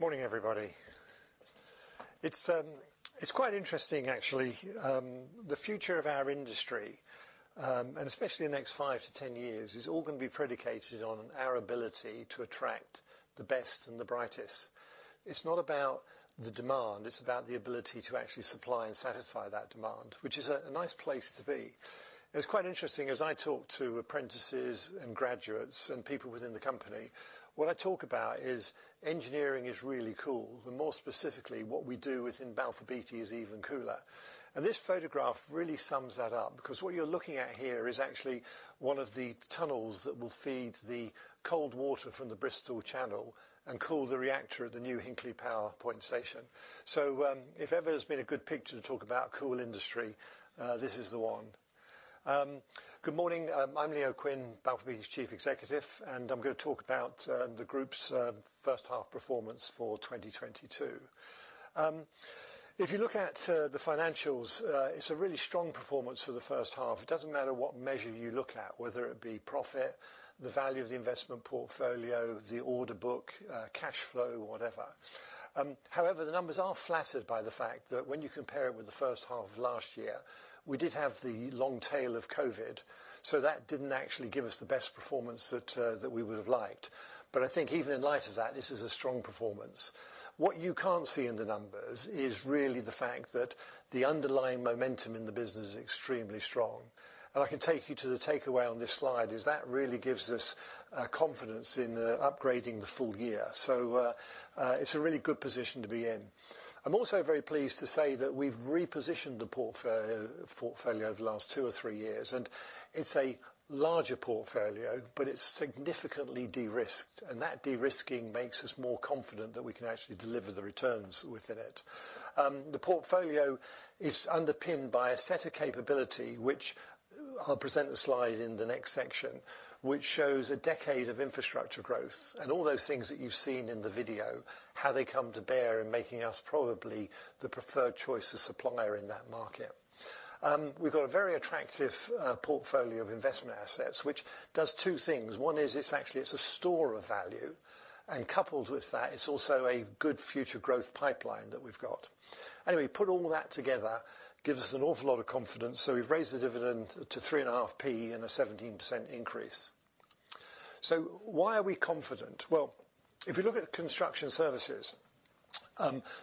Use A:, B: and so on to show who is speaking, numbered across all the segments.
A: Morning, everybody. It's quite interesting actually, the future of our industry, and especially the next five to 10 years, is all gonna be predicated on our ability to attract the best and the brightest. It's not about the demand, it's about the ability to actually supply and satisfy that demand, which is a nice place to be. It was quite interesting as I talked to apprentices and graduates and people within the company, what I talk about is engineering is really cool, and more specifically, what we do within Balfour Beatty is even cooler. This photograph really sums that up because what you're looking at here is actually one of the tunnels that will feed the cold water from the Bristol Channel and cool the reactor of the new Hinkley Power Point station. If ever there's been a good picture to talk about cool industry, this is the one. Good morning. I'm Leo Quinn, Balfour Beatty's Chief Executive, and I'm gonna talk about the group's first half performance for 2022. If you look at the financials, it's a really strong performance for the first half. It doesn't matter what measure you look at, whether it be profit, the value of the investment portfolio, the order book, cash flow, whatever. However, the numbers are flattered by the fact that when you compare it with the first half of last year, we did have the long tail of COVID, so that didn't actually give us the best performance that we would've liked. I think even in light of that, this is a strong performance. What you can't see in the numbers is really the fact that the underlying momentum in the business is extremely strong. I can take you to the takeaway on this slide, is that really gives us confidence in upgrading the full year. It's a really good position to be in. I'm also very pleased to say that we've repositioned the portfolio over the last two or three years, and it's a larger portfolio, but it's significantly de-risked, and that de-risking makes us more confident that we can actually deliver the returns within it. The portfolio is underpinned by a set of capability which I'll present the slide in the next section, which shows a decade of infrastructure growth and all those things that you've seen in the video, how they come to bear in making us probably the preferred choice of supplier in that market. We've got a very attractive portfolio of investment assets, which does two things. One is it's actually a store of value, and coupled with that, it's also a good future growth pipeline that we've got. Anyway, put all that together, gives us an awful lot of confidence, so we've raised the dividend to 3.5p and a 17% increase. Why are we confident? If you look at Construction Services,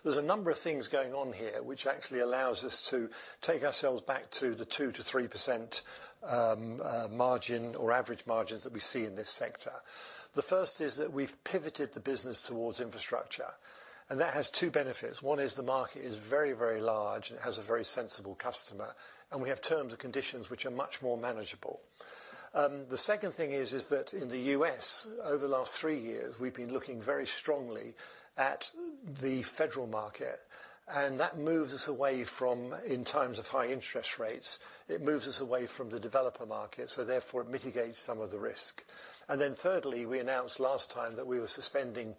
A: there's a number of things going on here which actually allows us to take ourselves back to the 2%-3% margin or average margins that we see in this sector. The first is that we've pivoted the business towards infrastructure, and that has two benefits. One is the market is very, very large, and it has a very sensible customer, and we have terms and conditions which are much more manageable. The second thing is that in the U.S., over the last three years, we've been looking very strongly at the federal market, and that moves us away from, in times of high interest rates, it moves us away from the developer market, so therefore it mitigates some of the risk. Thirdly, we announced last time that we were suspending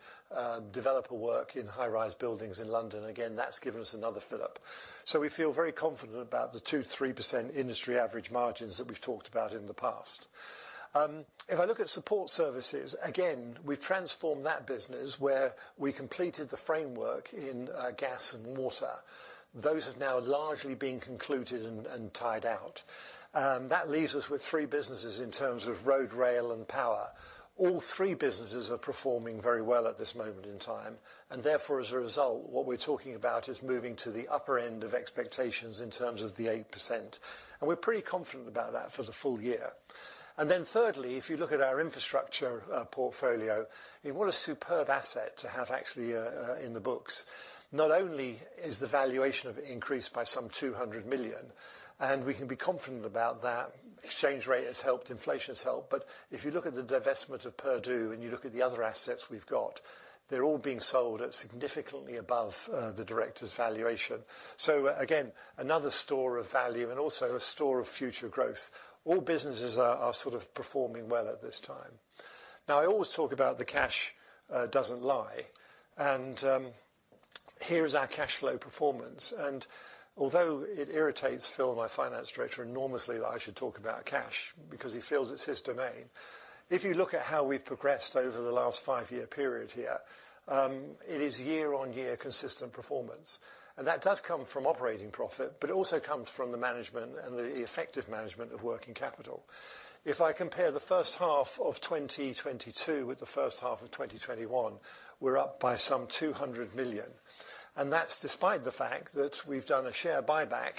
A: developer work in high-rise buildings in London. Again, that's given us another fill-up. We feel very confident about the 2%-3% industry average margins that we've talked about in the past. If I look at Support Services, again, we've transformed that business where we completed the framework in gas and water. Those have now largely been concluded and tied out. That leaves us with three businesses in terms of road, rail, and power. All three businesses are performing very well at this moment in time, and therefore, as a result, what we're talking about is moving to the upper end of expectations in terms of the 8%, and we're pretty confident about that for the full year. Thirdly, if you look at our infrastructure portfolio, and what a superb asset to have actually in the books. Not only is the valuation of it increased by some 200 million, and we can be confident about that. Exchange rate has helped, inflation has helped, but if you look at the divestment of Purdue and you look at the other assets we've got, they're all being sold at significantly above the Directors' Valuation. Again, another store of value and also a store of future growth. All businesses are sort of performing well at this time. Now, I always talk about the cash doesn't lie, and here's our cash flow performance. Although it irritates Phil, my Finance Director, enormously that I should talk about cash because he feels it's his domain, if you look at how we've progressed over the last five-year period here, it is year-on-year consistent performance. That does come from operating profit, but it also comes from the management and the effective management of working capital. If I compare the first half of 2022 with the first half of 2021, we're up by some 200 million, and that's despite the fact that we've done a share buyback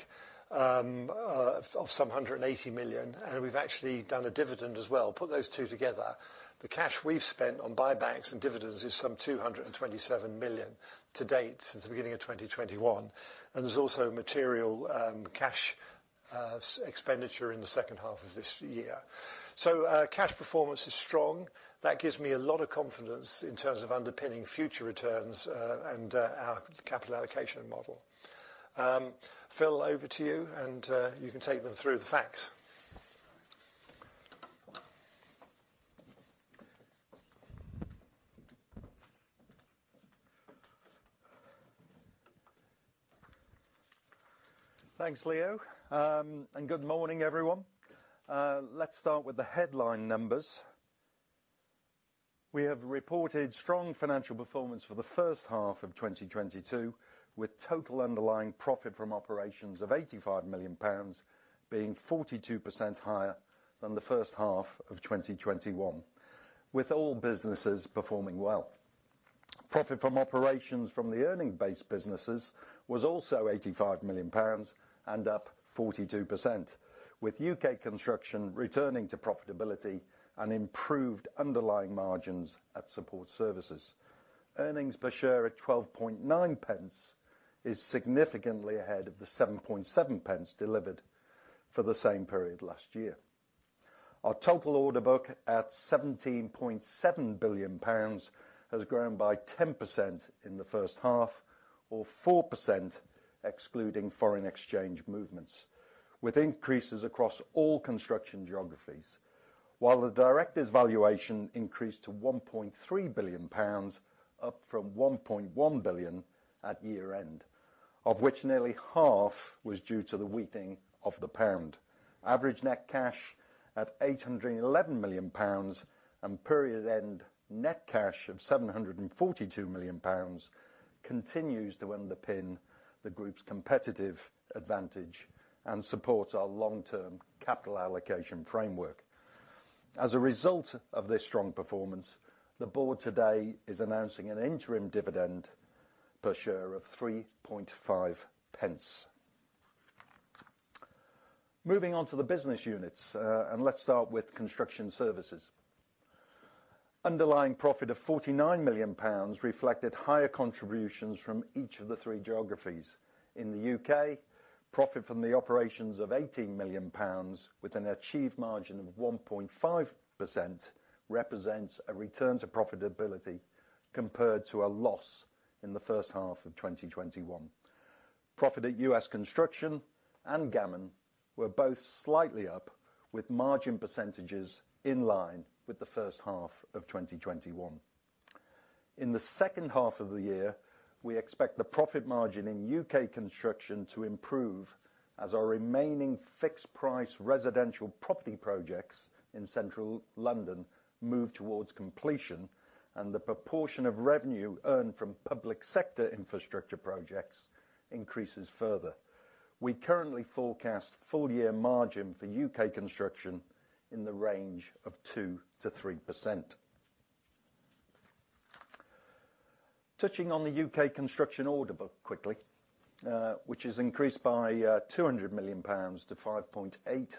A: of some 180 million, and we've actually done a dividend as well. Put those two together. The cash we've spent on buybacks and dividends is some 227 million to date since the beginning of 2021, and there's also material cash expenditure in the second half of this year. Cash performance is strong. That gives me a lot of confidence in terms of underpinning future returns, and our capital allocation model. Phil, over to you and you can take them through the facts.
B: Thanks, Leo. Good morning, everyone. Let's start with the headline numbers. We have reported strong financial performance for the first half of 2022, with total underlying profit from operations of 85 million pounds, being 42% higher than the first half of 2021, with all businesses performing well. Profit from operations from the earning-based businesses was also 85 million pounds and up 42%, with U.K. construction returning to profitability and improved underlying margins at Support Services. Earnings per share at 0.129 is significantly ahead of the 0.077 delivered for the same period last year. Our total order book at 17.7 billion pounds has grown by 10% in the first half, or 4% excluding foreign exchange movements, with increases across all construction geographies. While the directors' valuation increased to 1.3 billion pounds up from 1.1 billion at year-end, of which nearly half was due to the weakening of the pound. Average net cash at 811 million pounds, and period-end net cash of 742 million pounds continues to underpin the group's competitive advantage and supports our long-term capital allocation framework. As a result of this strong performance, the board today is announcing an interim dividend per share of 0.035. Moving on to the business units, and let's start with Construction Services. Underlying profit of 49 million pounds reflected higher contributions from each of the three geographies. In the U.K., profit from the operations of 18 million pounds with an achieved margin of 1.5% represents a return to profitability compared to a loss in the first half of 2021. Profit at U.S. Construction and Gammon were both slightly up, with margin percentages in line with the first half of 2021. In the second half of the year, we expect the profit margin in U.K. construction to improve as our remaining fixed price residential property projects in central London move towards completion, and the proportion of revenue earned from public sector infrastructure projects increases further. We currently forecast full year margin for U.K. Construction in the range of 2%-3%. Touching on the U.K. construction order book quickly, which has increased by 200 million pounds to 5.8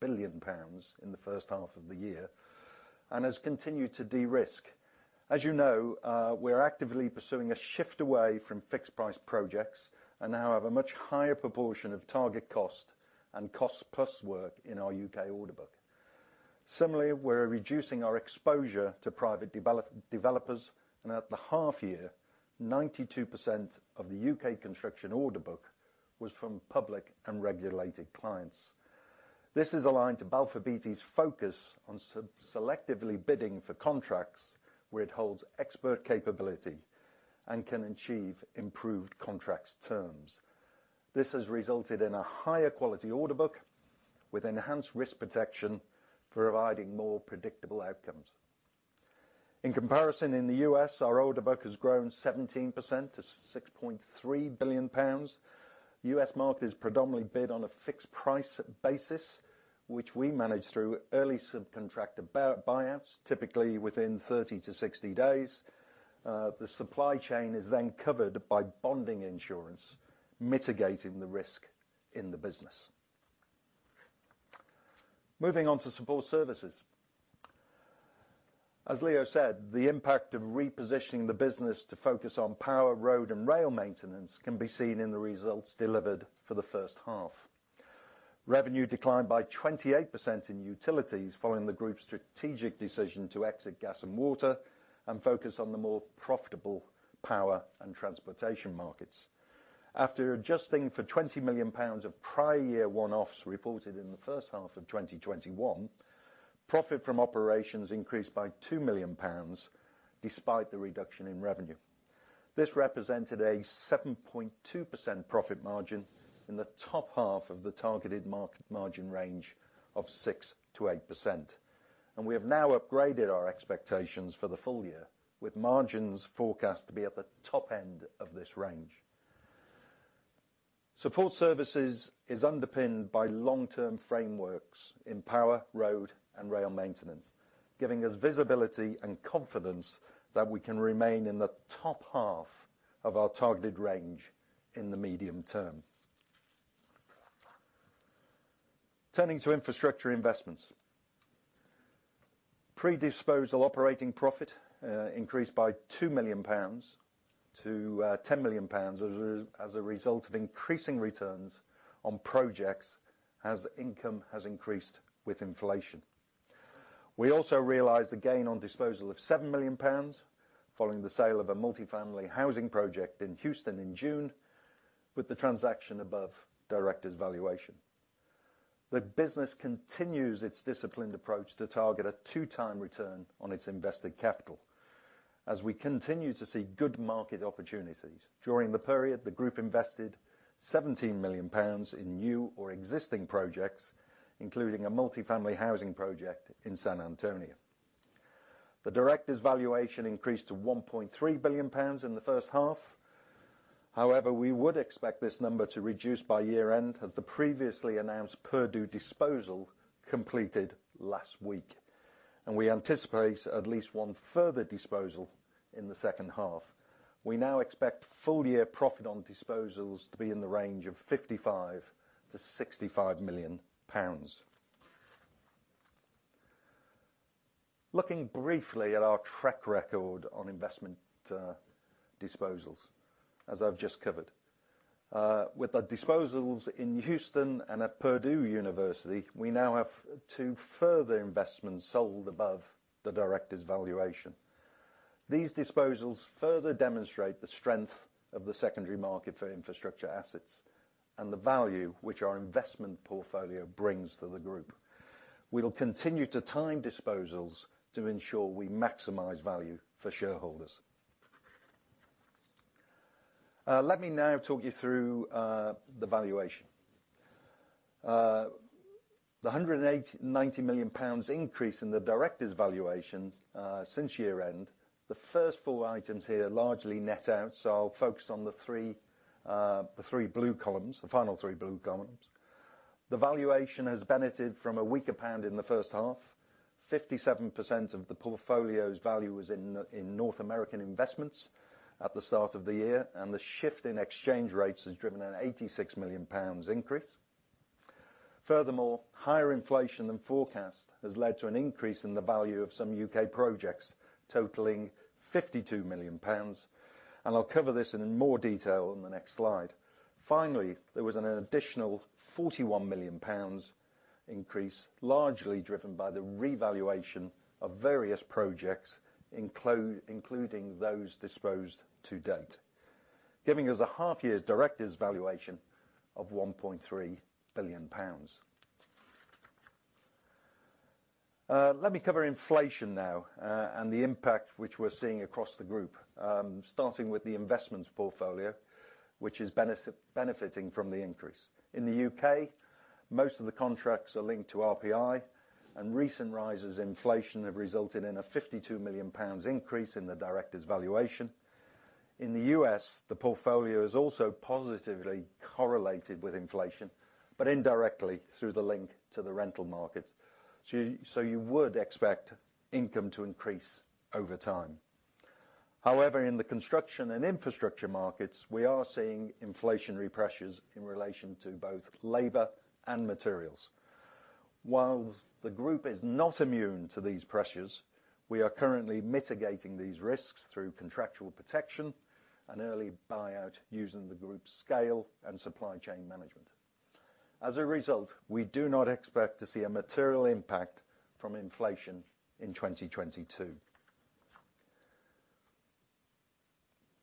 B: billion pounds in the first half of the year and has continued to de-risk. As you know, we are actively pursuing a shift away from fixed-price projects and now have a much higher proportion of target cost and cost-plus work in our U.K. order book. Similarly, we're reducing our exposure to private developers, and at the half year, 92% of the U.K. construction order book was from public and regulated clients. This is aligned to Balfour Beatty's focus on selectively bidding for contracts where it holds expert capability and can achieve improved contracts terms. This has resulted in a higher quality order book with enhanced risk protection, providing more predictable outcomes. In comparison, in the U.S., our order book has grown 17% to 6.3 billion pounds. U.S. market is predominantly bid on a fixed-price basis, which we manage through early subcontractor buyouts, typically within 30 to 60 days. The supply chain is then covered by surety bond, mitigating the risk in the business. Moving on to Support Services. As Leo said, the impact of repositioning the business to focus on power, road, and rail maintenance can be seen in the results delivered for the first half. Revenue declined by 28% in utilities following the group's strategic decision to exit gas and water and focus on the more profitable power and transportation markets. After adjusting for 20 million pounds of prior year one-offs reported in the first half of 2021, profit from operations increased by 2 million pounds despite the reduction in revenue. This represented a 7.2% profit margin in the top half of the targeted market margin range of 6%-8%. We have now upgraded our expectations for the full year, with margins forecast to be at the top end of this range. Support Services is underpinned by long-term frameworks in power, road, and rail maintenance, giving us visibility and confidence that we can remain in the top half of our targeted range in the medium term. Turning to Infrastructure Investments. Pre-disposal operating profit increased by 2 million pounds to 10 million pounds as a result of increasing returns on projects as income has increased with inflation. We also realized a gain on disposal of 7 million pounds following the sale of a multifamily housing project in Houston in June with the transaction above Directors' Valuation. The business continues its disciplined approach to target a 2x return on its invested capital as we continue to see good market opportunities. During the period, the group invested 17 million pounds in new or existing projects, including a multifamily housing project in San Antonio. The Directors' Valuation increased to 1.3 billion pounds in the first half. However, we would expect this number to reduce by year-end as the previously announced Purdue disposal completed last week. We anticipate at least one further disposal in the second half. We now expect full-year profit on disposals to be in the range of 55 million-65 million pounds. Looking briefly at our track record on investment, disposals, as I've just covered. With the disposals in Houston and at Purdue University, we now have two further investments sold above the Directors' Valuation. These disposals further demonstrate the strength of the secondary market for infrastructure assets and the value which our investment portfolio brings to the group. We'll continue to time disposals to ensure we maximize value for shareholders. Let me now talk you through the valuation. The 108... 90 million pounds increase in the Directors' Valuation since year-end, the first four items here largely net out, so I'll focus on the three, the three blue columns, the final three blue columns. The valuation has benefited from a weaker pound in the first half. 57% of the portfolio's value was in North American investments at the start of the year, and the shift in exchange rates has driven a 86 million pounds increase. Furthermore, higher inflation than forecast has led to an increase in the value of some U.K. projects, totaling 52 million pounds, and I'll cover this in more detail in the next slide. Finally, there was an additional GBP 41 million increase, largely driven by the revaluation of various projects, including those disposed to debt, giving us a half year's Directors' Valuation of 1.3 billion pounds. Let me cover inflation now, and the impact which we're seeing across the group. Starting with the investments portfolio, which is benefiting from the increase. In the U.K., most of the contracts are linked to RPI, and recent rises in inflation have resulted in a 52 million pounds increase in the Directors' Valuation. In the U.S., the portfolio is also positively correlated with inflation, but indirectly through the link to the rental market. You would expect income to increase over time. However, in the construction and infrastructure markets, we are seeing inflationary pressures in relation to both labor and materials. While the group is not immune to these pressures, we are currently mitigating these risks through contractual protection and early buyout using the group's scale and supply chain management. As a result, we do not expect to see a material impact from inflation in 2022.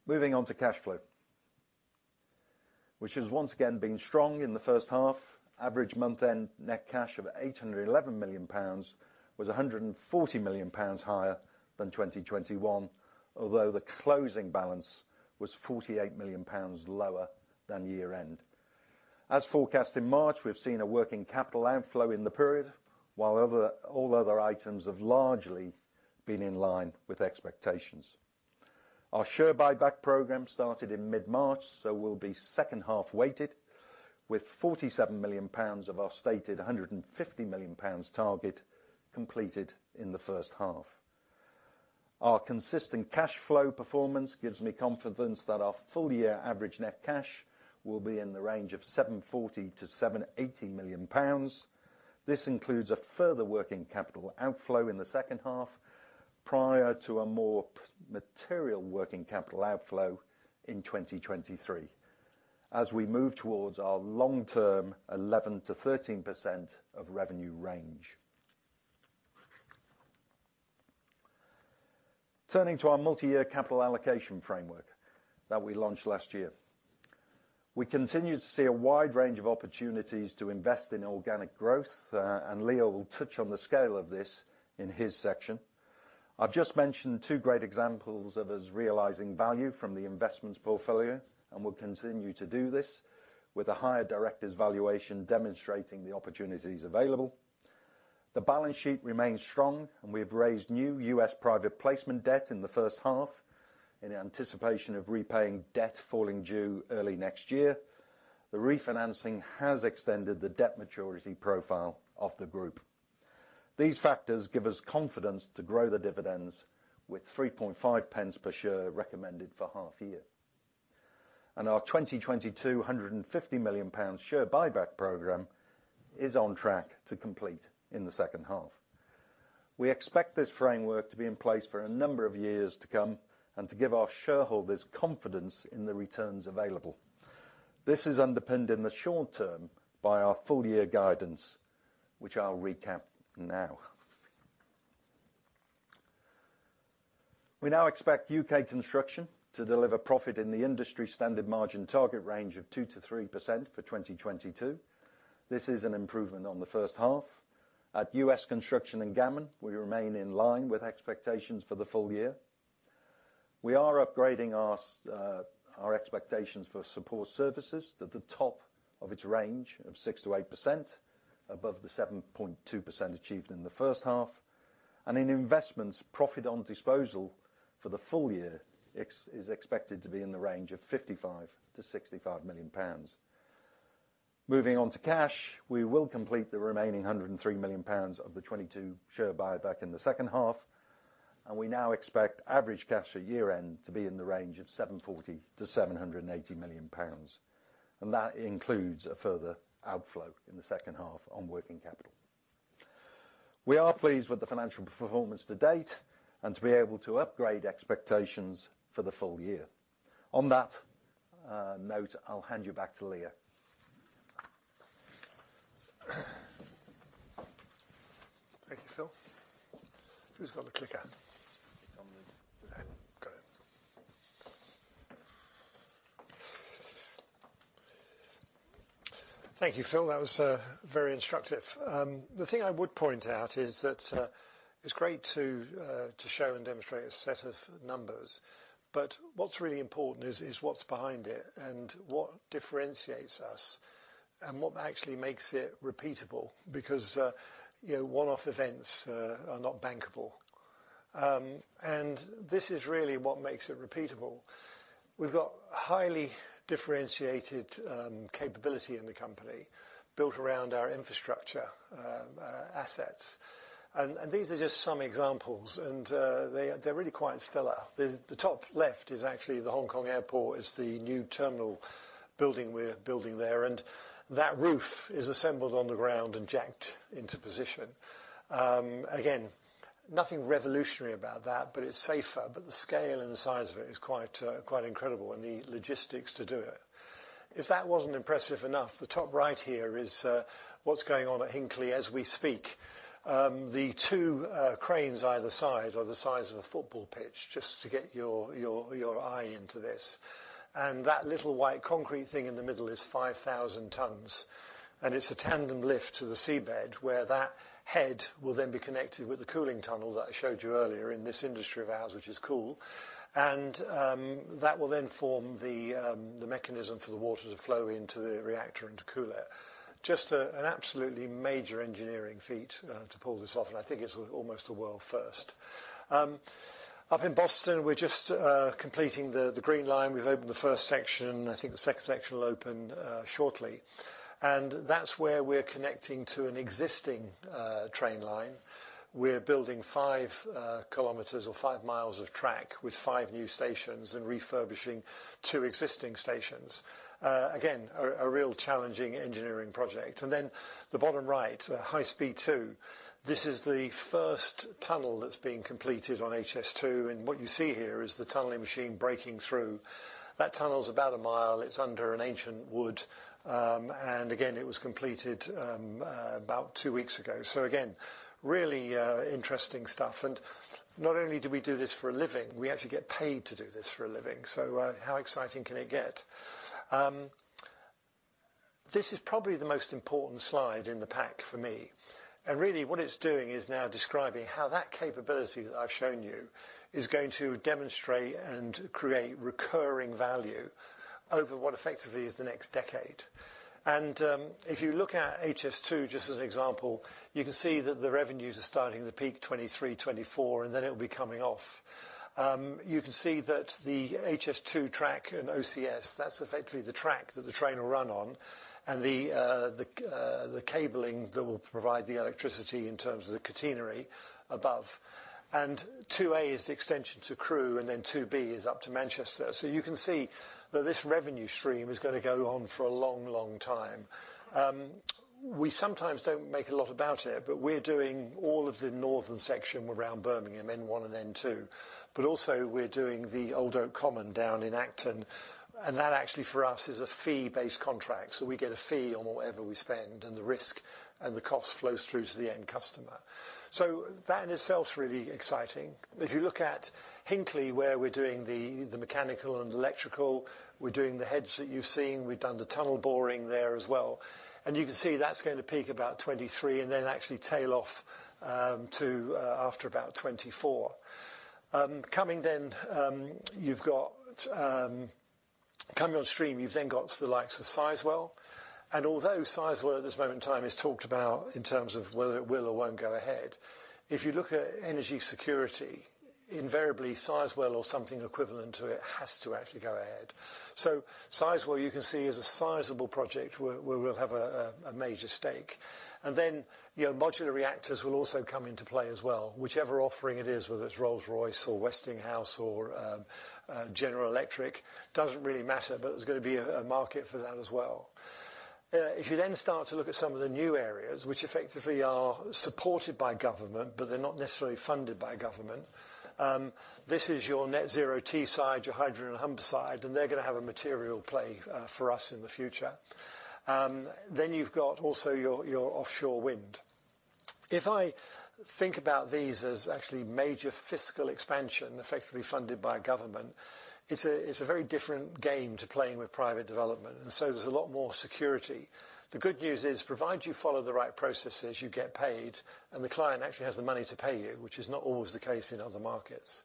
B: Moving on to cash flow, which has once again been strong in the first half. Average month-end net cash of 811 million pounds was 140 million pounds higher than 2021, although the closing balance was 48 million pounds lower than year-end. As forecast in March, we've seen a working capital outflow in the period, while all other items have largely been in line with expectations. Our share buyback program started in mid-March, so will be second-half weighted, with 47 million pounds of our stated 150 million pounds target completed in the first half. Our consistent cash flow performance gives me confidence that our full-year average net cash will be in the range of 740 million-780 million pounds. This includes a further working capital outflow in the second half, prior to a more material working capital outflow in 2023, as we move towards our long-term 11%-13% of revenue range. Turning to our multi-year capital allocation framework that we launched last year. We continue to see a wide range of opportunities to invest in organic growth, and Leo will touch on the scale of this in his section. I've just mentioned two great examples of us realizing value from the investments portfolio, and we'll continue to do this with a higher Directors' Valuation demonstrating the opportunities available. The balance sheet remains strong, and we have raised new U.S. private placement debt in the first half in anticipation of repaying debt falling due early next year. The refinancing has extended the debt maturity profile of the group. These factors give us confidence to grow the dividends with 0.035 per share recommended for half-year. Our 2022 150 million pounds share buyback program is on track to complete in the second half. We expect this framework to be in place for a number of years to come and to give our shareholders confidence in the returns available. This is underpinned in the short term by our full-year guidance, which I'll recap now. We now expect U.K. Construction to deliver profit in the industry-standard margin target range of 2%-3% for 2022. This is an improvement on the first half. At U.S. Construction and Gammon, we remain in line with expectations for the full year. We are upgrading our expectations for Support Services to the top of its range of 6%-8%, above the 7.2% achieved in the first half. In Investments, profit on disposal for the full year is expected to be in the range of 55 million-65 million pounds. Moving on to cash. We will complete the remaining 103 million pounds of the 2022 share buyback in the second half, and we now expect average cash at year-end to be in the range of 740 million-780 million pounds. That includes a further outflow in the second half on working capital. We are pleased with the financial performance to date, and to be able to upgrade expectations for the full year. On that note, I'll hand you back to Leo.
A: Thank you, Phil. Who's got the clicker?
B: It's on the.
A: There. Got it. Thank you, Phil. That was very instructive. The thing I would point out is that it's great to show and demonstrate a set of numbers, but what's really important is what's behind it and what differentiates us and what actually makes it repeatable because you know, one-off events are not bankable. This is really what makes it repeatable. We've got highly differentiated capability in the company built around our infrastructure assets. These are just some examples and they're really quite stellar. The top left is actually the Hong Kong Airport. It's the new terminal building we're building there. That roof is assembled on the ground and jacked into position. Again, nothing revolutionary about that, but it's safer. The scale and the size of it is quite incredible, and the logistics to do it. If that wasn't impressive enough, the top right here is what's going on at Hinkley as we speak. The two cranes either side are the size of a football pitch just to get your eye into this. That little white concrete thing in the middle is 5,000 tons, and it's a tandem lift to the seabed, where that head will then be connected with the cooling tunnel that I showed you earlier in this industry of ours, which is cool. That will then form the mechanism for the water to flow into the reactor and to cool it. Just an absolutely major engineering feat to pull this off, and I think it's almost a world first. Up in Boston, we're just completing the Green Line. We've opened the first section. I think the second section will open shortly. That's where we're connecting to an existing train line. We're building five kilometers or five miles of track with five new stations and refurbishing two existing stations. Again, a real challenging engineering project. Then the bottom right, High Speed 2. This is the first tunnel that's been completed on HS2, and what you see here is the tunneling machine breaking through. That tunnel's about a mile. It's under an ancient wood. Again, it was completed about two weeks ago. Again, really interesting stuff. Not only do we do this for a living, we actually get paid to do this for a living. How exciting can it get? This is probably the most important slide in the pack for me. Really, what it's doing is now describing how that capability that I've shown you is going to demonstrate and create recurring value over what effectively is the next decade. If you look at HS2 just as an example, you can see that the revenues are starting to peak 2023, 2024, and then it'll be coming off. You can see that the HS2 track and OCS, that's effectively the track that the train will run on, and the cabling that will provide the electricity in terms of the catenary above. 2a is the extension to Crewe, and then 2b is up to Manchester. You can see that this revenue stream is gonna go on for a long, long time. We sometimes don't make a lot about it, but we're doing all of the northern section around Birmingham, N1 and N2. Also we're doing the Old Oak Common down in Acton, and that actually for us is a fee-based contract. We get a fee on whatever we spend, and the risk and the cost flows through to the end customer. That in itself is really exciting. If you look at Hinkley, where we're doing the mechanical and electrical, we're doing the heads that you've seen, we've done the tunnel boring there as well. You can see that's going to peak about 2023 and then actually tail off to after about 2024. Coming on stream, you've got the likes of Sizewell. Although Sizewell at this moment in time is talked about in terms of whether it will or won't go ahead, if you look at energy security, invariably Sizewell or something equivalent to it has to actually go ahead. Sizewell you can see is a sizable project where we'll have a major stake. You know, modular reactors will also come into play as well. Whichever offering it is, whether it's Rolls-Royce or Westinghouse or General Electric, doesn't really matter, but there's gonna be a market for that as well. If you then start to look at some of the new areas which effectively are supported by government, but they're not necessarily funded by government, this is your Net Zero Teesside, your Hydrogen Humberside, and they're gonna have a material play for us in the future. You've got also your offshore wind. If I think about these as actually major fiscal expansion effectively funded by government, it's a very different game to playing with private development, and so there's a lot more security. The good news is provided you follow the right processes, you get paid, and the client actually has the money to pay you, which is not always the case in other markets.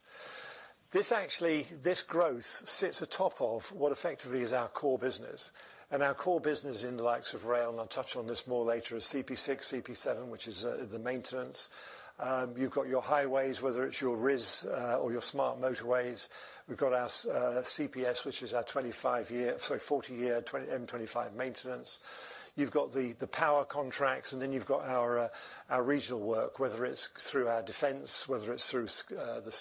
A: This actually this growth sits atop of what effectively is our core business. Our core business in the likes of rail, and I'll touch on this more later, is CP6, CP7, which is the maintenance. You've got your highways, whether it's your RIS or your smart motorways. We've got our CPS, which is our 25-year sorry, 40-year 25 maintenance. You've got the power contracts, and then you've got our regional work, whether it's through our defense, whether it's through the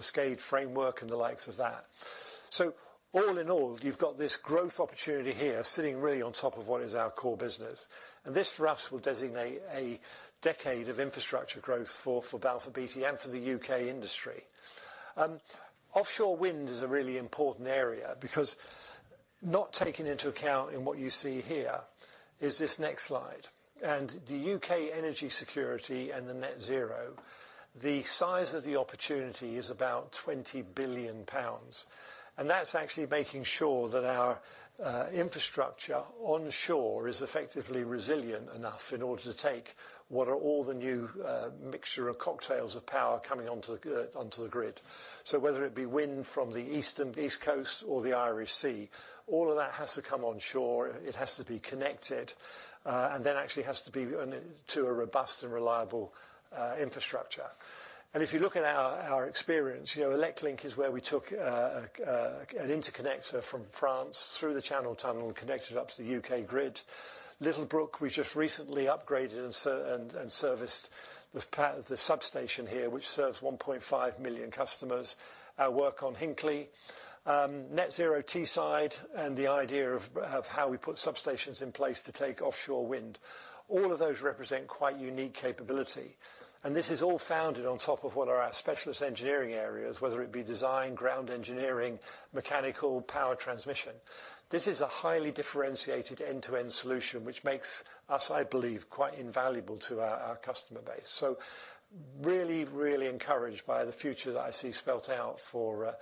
A: SCAPE framework and the likes of that. All in all, you've got this growth opportunity here sitting really on top of what is our core business. This for us will designate a decade of infrastructure growth for Balfour Beatty and for the U.K. industry. Offshore wind is a really important area because not taking into account in what you see here is this next slide. The U.K. energy security and the Net Zero, the size of the opportunity is about 20 billion pounds. That's actually making sure that our infrastructure onshore is effectively resilient enough in order to take what are all the new mixture of cocktails of power coming onto the grid. Whether it be wind from the eastern East Coast or the Irish Sea, all of that has to come onshore. It has to be connected, and then actually has to be to a robust and reliable infrastructure. If you look at our experience, you know, ElecLink is where we took an interconnector from France through the Channel Tunnel and connected it up to the U.K. grid. Littlebrook, we just recently upgraded and serviced the substation here, which serves 1.5 million customers. Our work on Hinkley, Net Zero Teesside, and the idea of how we put substations in place to take offshore wind, all of those represent quite unique capability. This is all founded on top of what are our specialist engineering areas, whether it be design, ground engineering, mechanical, power transmission. This is a highly differentiated end-to-end solution, which makes us, I believe, quite invaluable to our customer base. Really encouraged by the future that I see spelled out for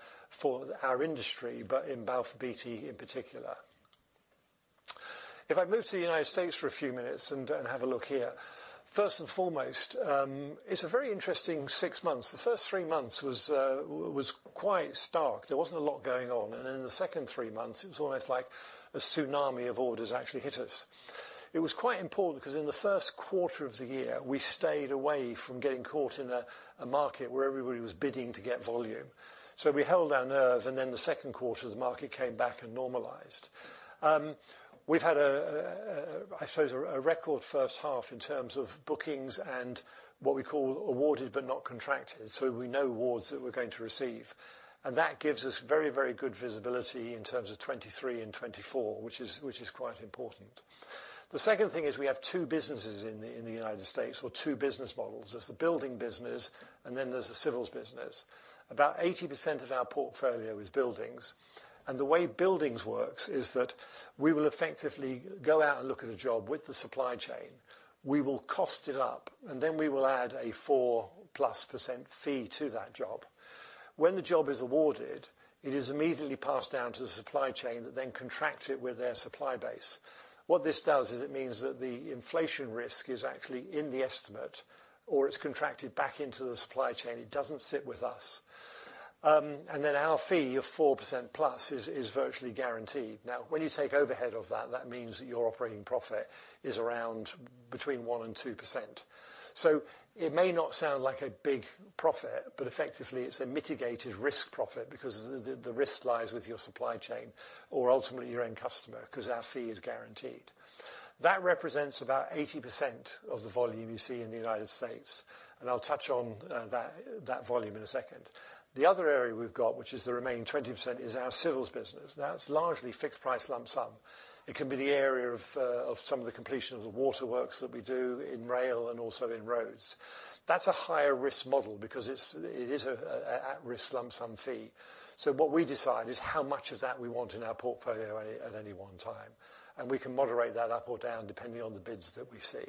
A: our industry, but in Balfour Beatty in particular. If I move to the United States for a few minutes and have a look here, first and foremost, it's a very interesting six months. The first three months was quite stark. There wasn't a lot going on. In the second three months, it was almost like a tsunami of orders actually hit us. It was quite important because in the first quarter of the year, we stayed away from getting caught in a market where everybody was bidding to get volume. We held our nerve, and then the second quarter, the market came back and normalized. We've had a record first half in terms of bookings and what we call awarded but not contracted, so we know awards that we're going to receive. That gives us very, very good visibility in terms of 2023 and 2024, which is quite important. The second thing is we have two businesses in the United States or two business models. There's the building business, and then there's the civils business. About 80% of our portfolio is buildings. The way buildings works is that we will effectively go out and look at a job with the supply chain. We will cost it up, and then we will add a 4%+ fee to that job. When the job is awarded, it is immediately passed down to the supply chain that then contract it with their supply base. What this does is it means that the inflation risk is actually in the estimate, or it's contracted back into the supply chain. It doesn't sit with us. Then our fee of 4%+ is virtually guaranteed. Now, when you take overhead of that means that your operating profit is around between 1%-2%. It may not sound like a big profit, but effectively it's a mitigated risk profit because the risk lies with your supply chain or ultimately your own customer because our fee is guaranteed. That represents about 80% of the volume you see in the United States, and I'll touch on that volume in a second. The other area we've got, which is the remaining 20%, is our civils business. That's largely fixed price lump sum. It can be the area of some of the completion of the waterworks that we do in rail and also in roads. That's a higher risk model because it is a at-risk lump sum fee. What we decide is how much of that we want in our portfolio at any one time, and we can moderate that up or down depending on the bids that we see.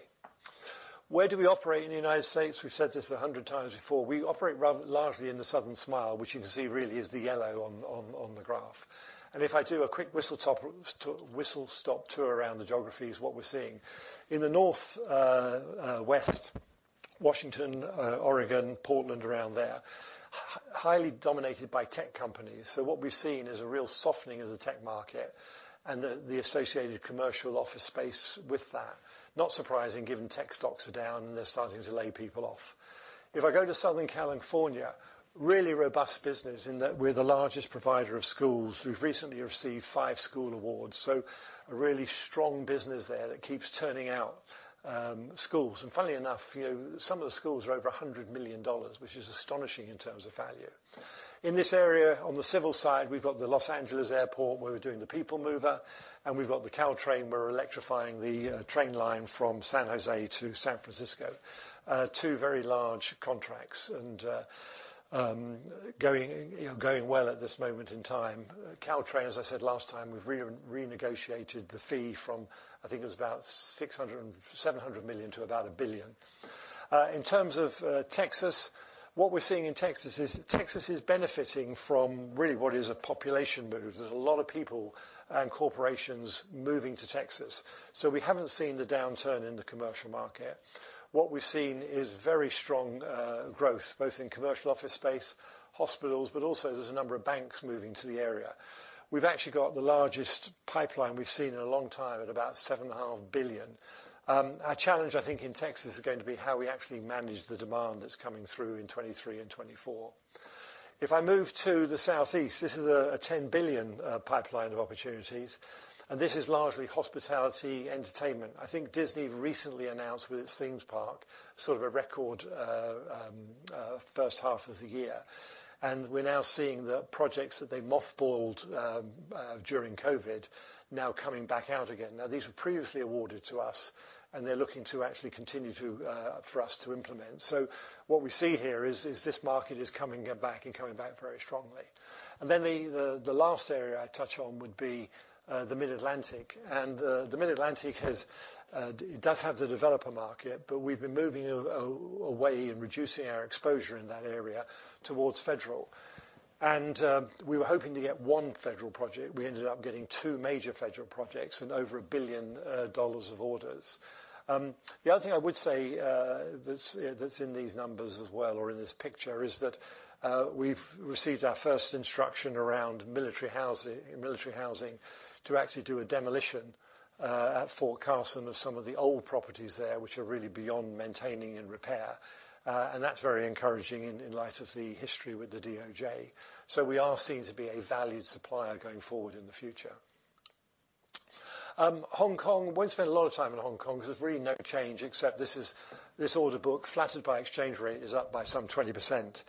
A: Where do we operate in the United States? We've said this 100x before. We operate largely in the Southern Smile, which you can really see is the yellow on the graph. If I do a quick whistle-stop tour around the geography, that's what we're seeing. In the northwest, Washington, Oregon, Portland, around there, highly dominated by tech companies. What we've seen is a real softening of the tech market and the associated commercial office space with that. Not surprising given tech stocks are down, and they're starting to lay people off. If I go to Southern California, really robust business in that we're the largest provider of schools. We've recently received five school awards, so a really strong business there that keeps turning out schools. Funnily enough, you know, some of the schools are over $100 million, which is astonishing in terms of value. In this area, on the civil side, we've got the Los Angeles Airport, where we're doing the people mover, and we've got the Caltrain. We're electrifying the train line from San Jose to San Francisco. Two very large contracts and going, you know, well at this moment in time. Caltrain, as I said last time, we've renegotiated the fee from, I think it was about $600 million-$700 million to about $1 billion. In terms of Texas, what we're seeing in Texas is Texas is benefiting from really what is a population move. There's a lot of people and corporations moving to Texas. We haven't seen the downturn in the commercial market. What we've seen is very strong growth, both in commercial office space, hospitals, but also there's a number of banks moving to the area. We've actually got the largest pipeline we've seen in a long time at about $7.5 billion. Our challenge, I think, in Texas, is going to be how we actually manage the demand that's coming through in 2023 and 2024. If I move to the Southeast, this is a $10 billion pipeline of opportunities, and this is largely hospitality entertainment. I think Disney recently announced with its theme parks sort of a record first half of the year. We're now seeing the projects that they mothballed during COVID now coming back out again. These were previously awarded to us, and they're looking to actually continue to for us to implement. What we see here is this market is coming back and coming back very strongly. The last area I touch on would be the Mid-Atlantic. The Mid-Atlantic has it does have the developer market, but we've been moving away and reducing our exposure in that area towards federal. We were hoping to get one federal project. We ended up getting two major federal projects and over $1 billion of orders. The other thing I would say, that's in these numbers as well or in this picture is that, we've received our first instruction around military housing to actually do a demolition at Fort Carson of some of the old properties there, which are really beyond maintaining and repair. That's very encouraging in light of the history with the DOJ. We are seen to be a valued supplier going forward in the future. Hong Kong. Won't spend a lot of time in Hong Kong because there's really no change except this order book, flattered by exchange rate, is up by some 20%.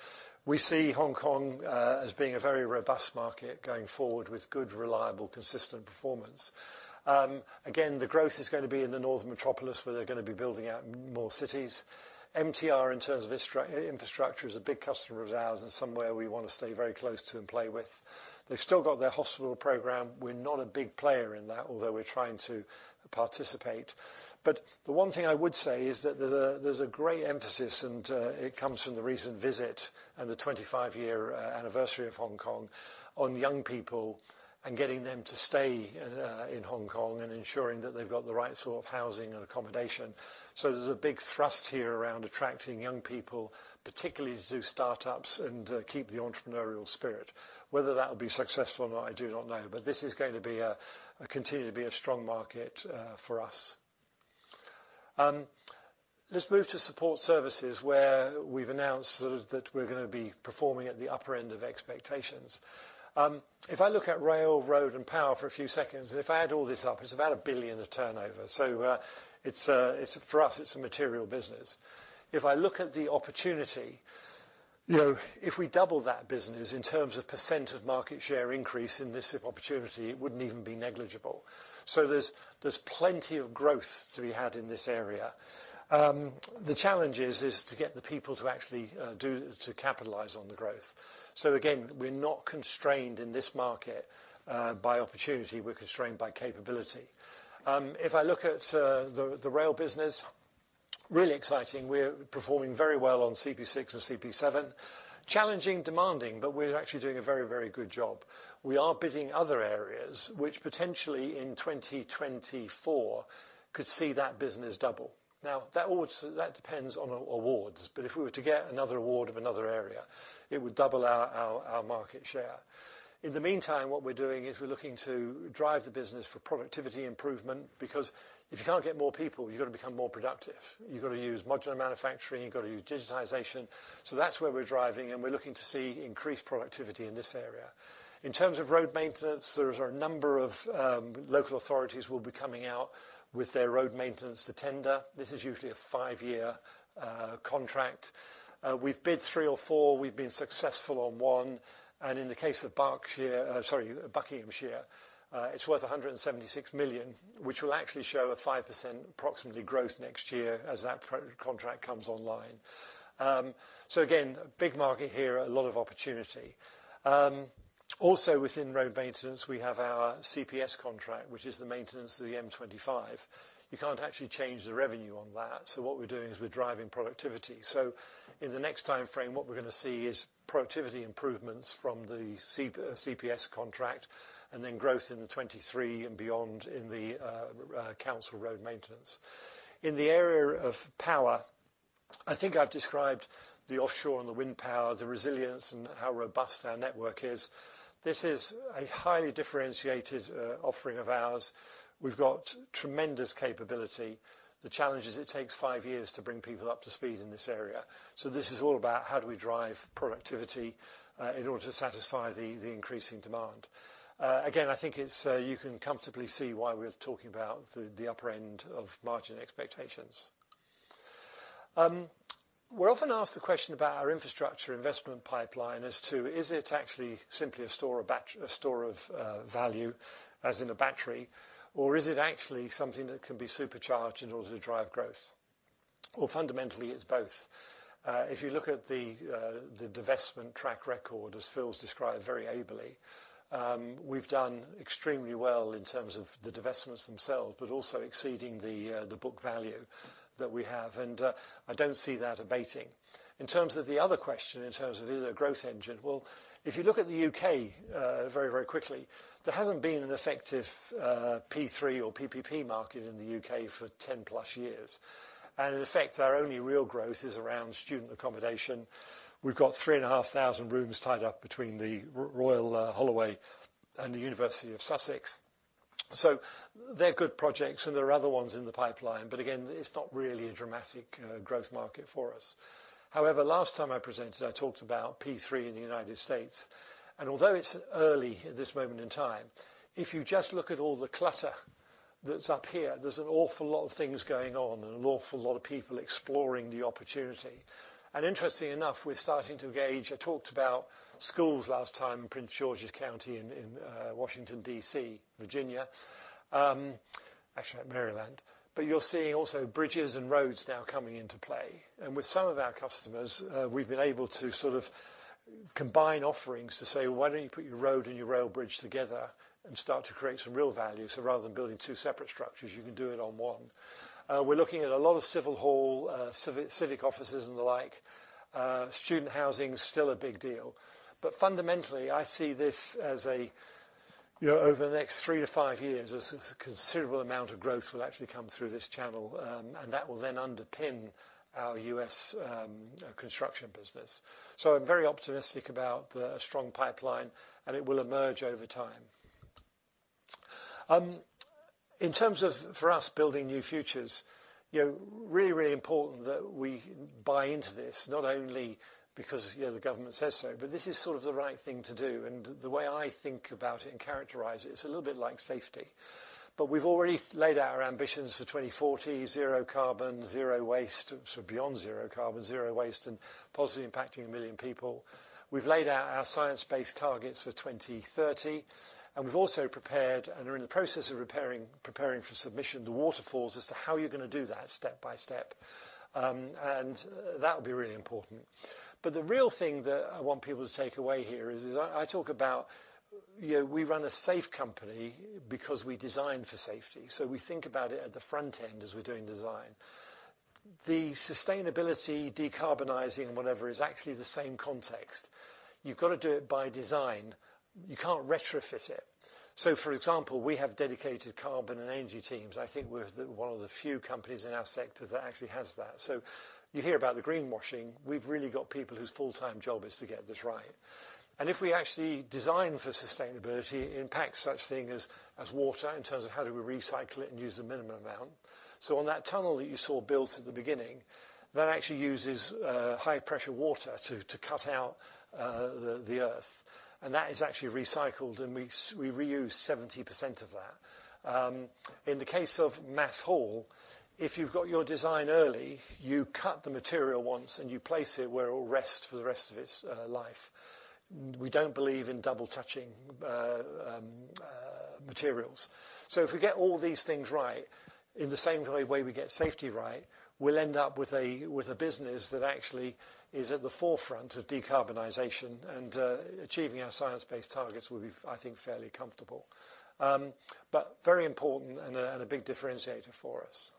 A: We see Hong Kong as being a very robust market going forward with good, reliable, consistent performance. Again, the growth is gonna be in the northern metropolis, where they're gonna be building out more cities. MTR, in terms of infrastructure, is a big customer of ours and somewhere we wanna stay very close to and play with. They've still got their hospital program. We're not a big player in that, although we're trying to participate. The one thing I would say is that there's a great emphasis, and it comes from the recent visit and the 25-year anniversary of Hong Kong, on young people and getting them to stay in Hong Kong and ensuring that they've got the right sort of housing and accommodation. There's a big thrust here around attracting young people, particularly to do startups and keep the entrepreneurial spirit. Whether that'll be successful or not, I do not know, but this is going to continue to be a strong market for us. Let's move to Support Services, where we've announced sort of that we're gonna be performing at the upper end of expectations. If I look at rail, road, and power for a few seconds and if I add all this up, it's about 1 billion of turnover. It's a material business for us. If I look at the opportunity, you know, if we double that business in terms of percent of market share increase in this opportunity, it wouldn't even be negligible. There's plenty of growth to be had in this area. The challenge is to get the people to actually to capitalize on the growth. Again, we're not constrained in this market by opportunity. We're constrained by capability. If I look at the rail business, really exciting. We're performing very well on CP6 and CP7. Challenging, demanding, but we're actually doing a very, very good job. We are bidding other areas which potentially in 2024 could see that business double. Now, that awards, that depends on awards, but if we were to get another award of another area, it would double our market share. In the meantime, what we're doing is we're looking to drive the business for productivity improvement because if you can't get more people, you've got to become more productive. You've got to use modular manufacturing. You've got to use digitization. That's where we're driving, and we're looking to see increased productivity in this area. In terms of road maintenance, there's a number of local authorities will be coming out with their road maintenance to tender. This is usually a five-year contract. We've bid three or four. We've been successful on one. In the case of Berkshire, sorry, Buckinghamshire, it's worth 176 million, which will actually show approximately 5% growth next year as that pro-contract comes online. So again, big market here, a lot of opportunity. Also within road maintenance, we have our CPS contract, which is the maintenance of the M25. You can't actually change the revenue on that. What we're doing is we're driving productivity. In the next timeframe, what we're gonna see is productivity improvements from the CPS contract and then growth in the 2023 and beyond in the council road maintenance. In the area of power, I think I've described the offshore and the wind power, the resilience and how robust our network is. This is a highly differentiated offering of ours. We've got tremendous capability. The challenge is it takes five years to bring people up to speed in this area. This is all about how do we drive productivity in order to satisfy the increasing demand. Again, I think it's you can comfortably see why we're talking about the upper end of margin expectations. We're often asked the question about our infrastructure investment pipeline as to is it actually simply a store of value as in a battery, or is it actually something that can be supercharged in order to drive growth? Well, fundamentally, it's both. If you look at the divestment track record, as Phil's described very ably, we've done extremely well in terms of the divestments themselves, but also exceeding the book value that we have. I don't see that abating. In terms of the other question, in terms of is it a growth engine, well, if you look at the U.K., very, very quickly, there hasn't been an effective P3 or PPP market in the U.K. for 10+ years. In effect, our only real growth is around student accommodation. We've got 3,500 rooms tied up between the Royal Holloway and the University of Sussex. They're good projects, and there are other ones in the pipeline, but again, it's not really a dramatic growth market for us. However, last time I presented, I talked about P3 in the United States. Although it's early at this moment in time, if you just look at all the clutter that's up here, there's an awful lot of things going on and an awful lot of people exploring the opportunity. Interestingly enough, we're starting to gauge. I talked about schools last time, Prince George's County in Washington, D.C., Virginia. Actually, Maryland. You're seeing also bridges and roads now coming into play. With some of our customers, we've been able to sort of combine offerings to say, "Why don't you put your road and your rail bridge together and start to create some real value? So rather than building two separate structures, you can do it on one." We're looking at a lot of civic hall, civic offices and the like. Student housing is still a big deal. Fundamentally, I see this as a, you know, over the next three to five years, as a considerable amount of growth will actually come through this channel, and that will then underpin our U.S. construction business. I'm very optimistic about the strong pipeline, and it will emerge over time. In terms of, for us, building new futures, you know, really important that we buy into this, not only because, you know, the government says so, but this is sort of the right thing to do. The way I think about it and characterize it's a little bit like safety. We've already laid out our ambitions for 2040, zero carbon, zero waste, sort of beyond zero carbon, zero waste, and positively impacting 1 million people. We've laid out our science-based targets for 2030, and we've also prepared and are in the process of preparing for submission the waterfalls as to how you're gonna do that step by step. That'll be really important. The real thing that I want people to take away here is I talk about, you know, we run a safe company because we design for safety. So we think about it at the front end as we're doing design. The sustainability, decarbonizing, whatever, is actually the same context. You've got to do it by design. You can't retrofit it. So for example, we have dedicated carbon and energy teams. I think we're the one of the few companies in our sector that actually has that. So you hear about the greenwashing. We've really got people whose full-time job is to get this right. And if we actually design for sustainability, it impacts such thing as water in terms of how do we recycle it and use the minimum amount. On that tunnel that you saw built at the beginning, that actually uses high-pressure water to cut out the earth, and that is actually recycled, and we reuse 70% of that. In the case of mass haul, if you've got your design early, you cut the material once, and you place it where it will rest for the rest of its life. We don't believe in double-touching materials. If we get all these things right in the same kind of way we get safety right, we'll end up with a business that actually is at the forefront of decarbonization and achieving our science-based targets will be, I think, fairly comfortable. Very important and a big differentiator for us.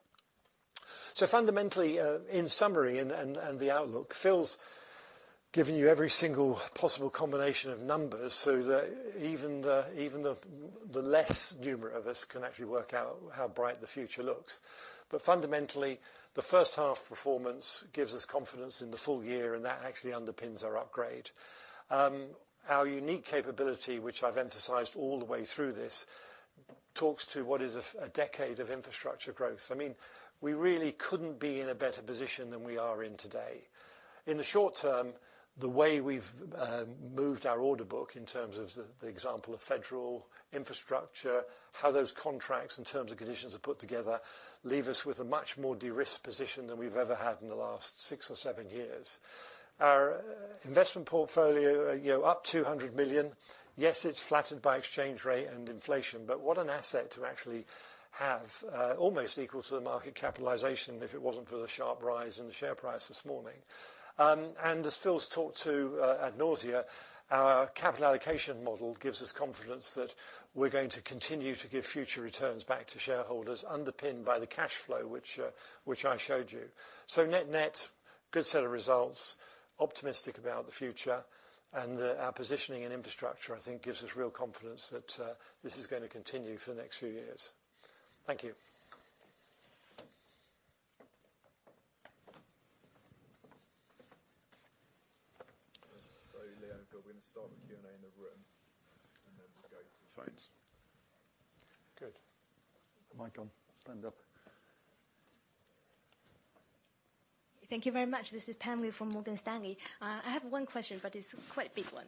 A: Fundamentally, in summary and the outlook, Phil's given you every single possible combination of numbers so that even the less numerate of us can actually work out how bright the future looks. Fundamentally, the first half performance gives us confidence in the full year, and that actually underpins our upgrade. Our unique capability, which I've emphasized all the way through this, talks to what is a decade of infrastructure growth. I mean, we really couldn't be in a better position than we are in today. In the short term, the way we've moved our order book in terms of the example of federal infrastructure, how those contracts in terms of conditions are put together leave us with a much more de-risked position than we've ever had in the last six or seven years. Our investment portfolio, you know, up 200 million. Yes, it's flattened by exchange rate and inflation, but what an asset to actually have, almost equal to the market capitalization if it wasn't for the sharp rise in the share price this morning. As Phil's talked about ad nauseam, our capital allocation model gives us confidence that we're going to continue to give future returns back to shareholders underpinned by the cash flow, which I showed you. Net-net, good set of results, optimistic about the future, and our positioning in infrastructure, I think, gives us real confidence that this is gonna continue for the next few years. Thank you.
C: Leo, we're gonna start the Q&A in the room, and then we'll go to the phones.
A: Good. Mic on. Stand up.
D: Thank you very much. This is Pam Liu from Morgan Stanley. I have one question, but it's quite a big one.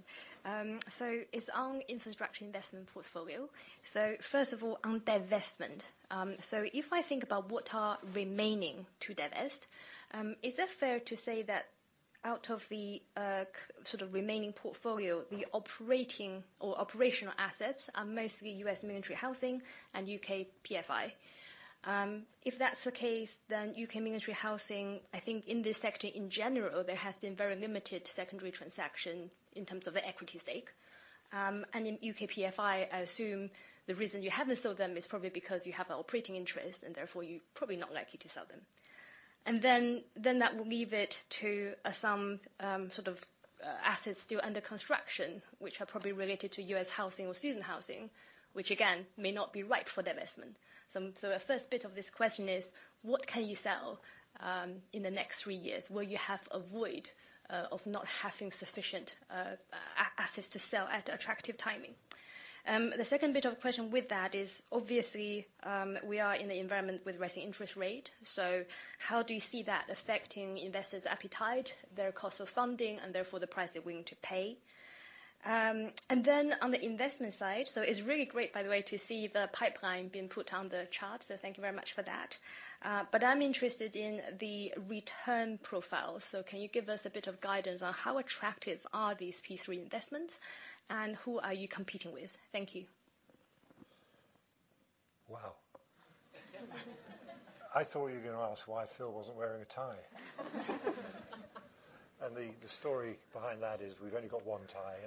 D: It's on infrastructure investment portfolio. First of all, on divestment. If I think about what are remaining to divest, is it fair to say that out of the sort of remaining portfolio, the operating or operational assets are mostly U.S. military housing and U.K. PFI? If that's the case, then U.K. military housing, I think in this sector in general, there has been very limited secondary transaction in terms of the equity stake. In U.K. PFI, I assume the reason you haven't sold them is probably because you have an operating interest and therefore you're probably not likely to sell them. That will leave it to some sort of assets still under construction, which are probably related to U.S. housing or student housing, which again, may not be right for the investment. The first bit of this question is what can you sell in the next three years? Will you have a void of not having sufficient assets to sell at attractive timing? The second bit of question with that is obviously, we are in the environment with rising interest rate, so how do you see that affecting investors' appetite, their cost of funding, and therefore the price they're willing to pay? On the investment side, so it's really great, by the way, to see the pipeline being put on the chart, so thank you very much for that. I'm interested in the return profile. Can you give us a bit of guidance on how attractive are these P3 investments, and who are you competing with? Thank you.
A: Wow. I thought you were gonna ask why Phil wasn't wearing a tie. The story behind that is we've only got one tie,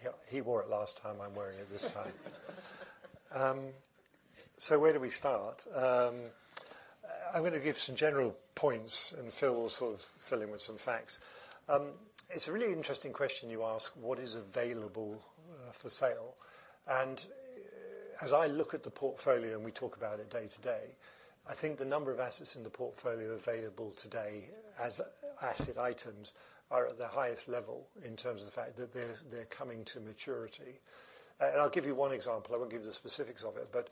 A: and he wore it last time. I'm wearing it this time. Where do we start? I'm gonna give some general points, and Phil will sort of fill in with some facts. It's a really interesting question you ask, what is available for sale. As I look at the portfolio, and we talk about it day to day, I think the number of assets in the portfolio available today as asset items are at their highest level in terms of the fact that they're coming to maturity. I'll give you one example. I won't give the specifics of it, but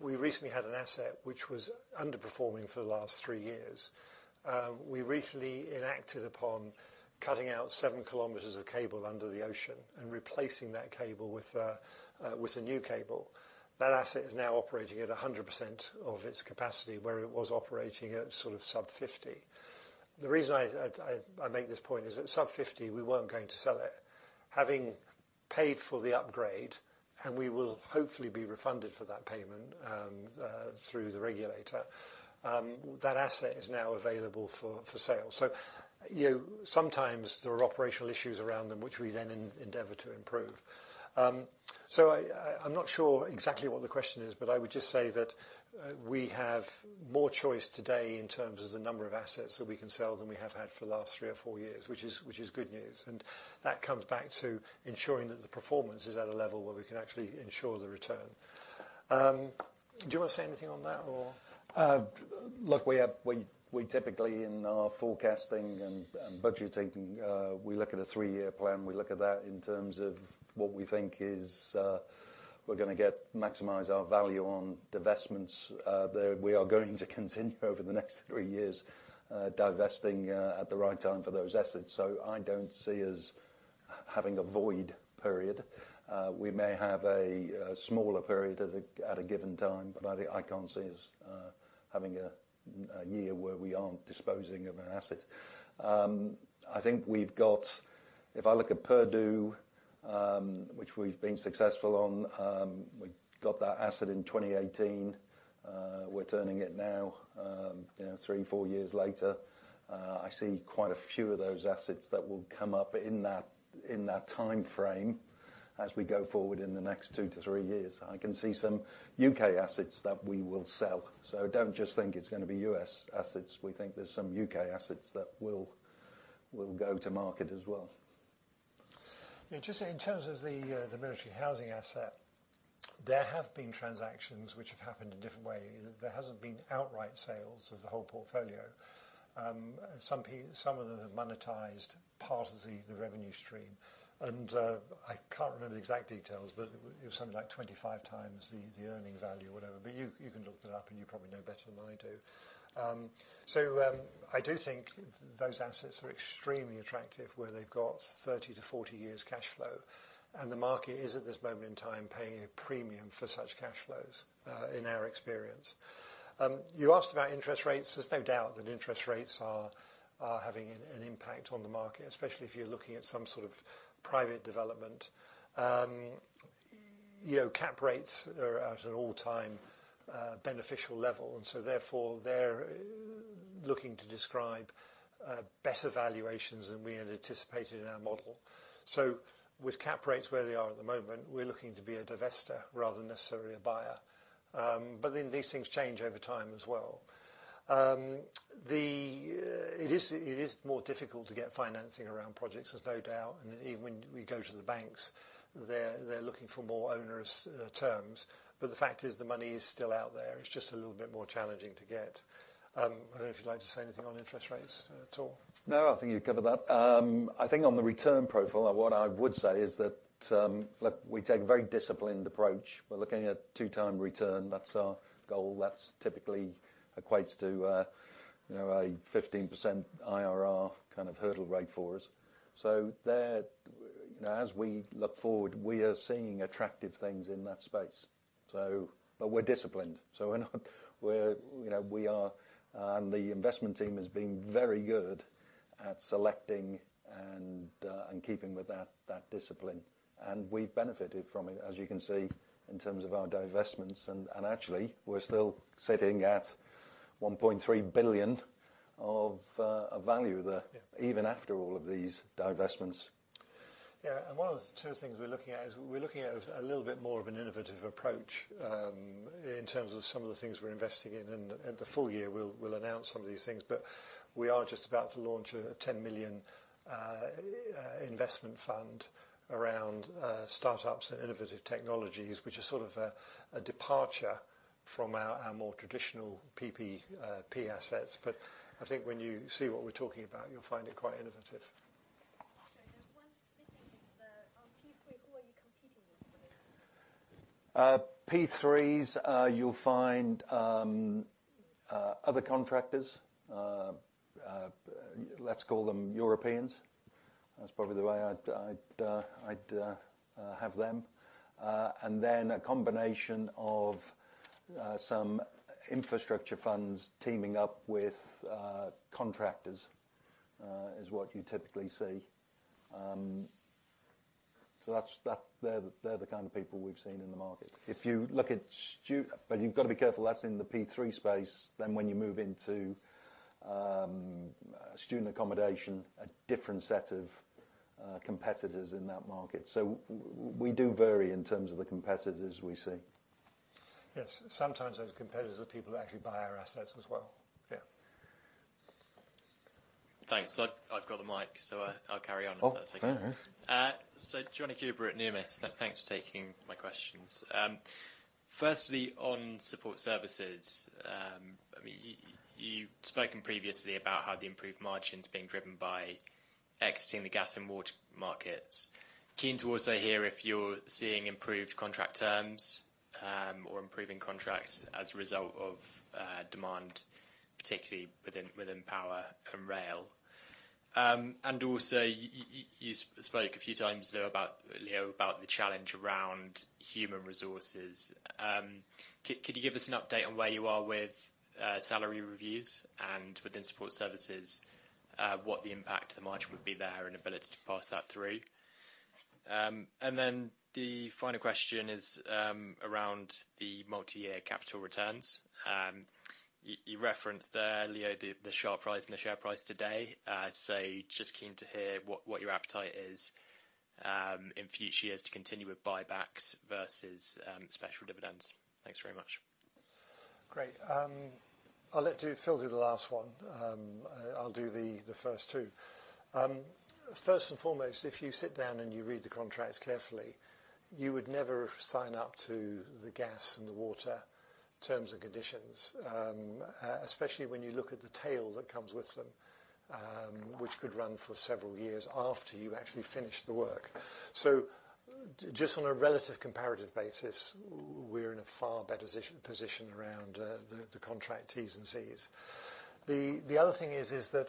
A: we recently had an asset which was underperforming for the last three years. We recently enacted upon cutting out 7 km of cable under the ocean and replacing that cable with a new cable. That asset is now operating at 100% of its capacity, where it was operating at sort of sub-50%. The reason I make this point is at sub-50%, we weren't going to sell it. Having paid for the upgrade, and we will hopefully be refunded for that payment through the regulator, that asset is now available for sale. You know, sometimes there are operational issues around them which we then endeavor to improve. I'm not sure exactly what the question is, but I would just say that we have more choice today in terms of the number of assets that we can sell than we have had for the last three or four years, which is good news. That comes back to ensuring that the performance is at a level where we can actually ensure the return. Do you wanna say anything on that or?
B: Look, we typically in our forecasting and budgeting, we look at a three-year plan. We look at that in terms of what we think is, we're gonna get to maximize our value on divestments, there. We are going to continue over the next three years, divesting at the right time for those assets. I don't see us having a void period. We may have a smaller period at a given time, but I can't see us having a year where we aren't disposing of an asset. I think we've got. If I look at Purdue, which we've been successful on, we got that asset in 2018. We're turning it now, you know, three, four years later. I see quite a few of those assets that will come up in that timeframe as we go forward in the next two to three years. I can see some U.K. assets that we will sell. Don't just think it's gonna be U.S. assets. We think there's some U.K. assets that will go to market as well.
A: Just in terms of the military housing asset, there have been transactions which have happened a different way. There hasn't been outright sales of the whole portfolio. Some of them have monetized part of the revenue stream. I can't remember the exact details, but it was something like 25x the earning value or whatever. You can look it up, and you probably know better than I do. I do think those assets are extremely attractive where they've got 30-40 years cash flow, and the market is at this moment in time paying a premium for such cash flows in our experience. You asked about interest rates. There's no doubt that interest rates are having an impact on the market, especially if you're looking at some sort of private development. You know, cap rates are at an all-time beneficial level, and so therefore they're looking to derive better valuations than we had anticipated in our model. With cap rates where they are at the moment, we're looking to be a divestor rather than necessarily a buyer. These things change over time as well. It is more difficult to get financing around projects, there's no doubt, and even when we go to the banks, they're looking for more onerous terms. The fact is the money is still out there. It's just a little bit more challenging to get. I don't know if you'd like to say anything on interest rates at all.
B: No, I think you've covered that. I think on the return profile, what I would say is that, look, we take a very disciplined approach. We're looking at 2x return. That's our goal. That's typically equates to, you know, a 15% IRR kind of hurdle rate for us. So there, you know, as we look forward, we are seeing attractive things in that space. But we're disciplined. We're not. We're, you know, we are, and the investment team has been very good at selecting and keeping with that discipline. We've benefited from it, as you can see, in terms of our divestments. Actually, we're still sitting at 1.3 billion of value there even after all of these divestments.
A: One of the two things we're looking at is a little bit more of an innovative approach in terms of some of the things we're investing in. The full year we'll announce some of these things. We are just about to launch a 10 million investment fund around startups and innovative technologies, which is sort of a departure from our more traditional PPP assets. I think when you see what we're talking about, you'll find it quite innovative.
D: Sorry, just one quick thing. On P3, who are you competing with for this?
B: P3s, you'll find other contractors. Let's call them Europeans. That's probably the way I'd have them. A combination of some infrastructure funds teaming up with contractors is what you typically see. That's the kind of people we've seen in the market. You've gotta be careful that's in the P3 space, then when you move into student accommodation, a different set of competitors in that market. We do vary in terms of the competitors we see. Yes. Sometimes those competitors are people who actually buy our assets as well. Yeah.
E: Thanks. I've got the mic, so, I'll carry on with that second one.
A: Oh, all right.
E: Jonny Coubrough at Numis. Thanks for taking my questions. Firstly, on support services, I mean, you've spoken previously about how the improved margins are being driven by exiting the gas and water markets. Keen to also hear if you're seeing improved contract terms, or improving contracts as a result of demand, particularly within power and rail. Also you spoke a few times, Leo, about the challenge around human resources. Could you give us an update on where you are with salary reviews and within support services, what the impact to the margin would be there and ability to pass that through? The final question is around the multi-year capital returns. You referenced there, Leo, the share price and the share price today. Just keen to hear what your appetite is in future years to continue with buybacks versus special dividends? Thanks very much.
A: Great. I'll let Phil do the last one. I'll do the first two. First and foremost, if you sit down and you read the contracts carefully, you would never sign up to the gas and the water terms and conditions, especially when you look at the tail that comes with them, which could run for several years after you actually finish the work. Just on a relative comparative basis, we're in a far better position around the contract T's and C's. The other thing is that,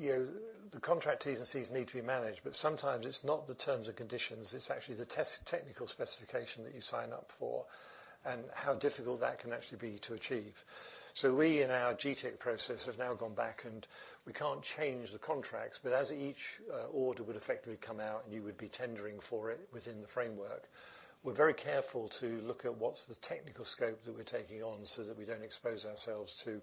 A: you know, the contract T's and C's need to be managed, but sometimes it's not the terms and conditions, it's actually the technical specification that you sign up for and how difficult that can actually be to achieve. We in our GTIC process have now gone back and we can't change the contracts, but as each order would effectively come out and you would be tendering for it within the framework, we're very careful to look at what's the technical scope that we're taking on so that we don't expose ourselves to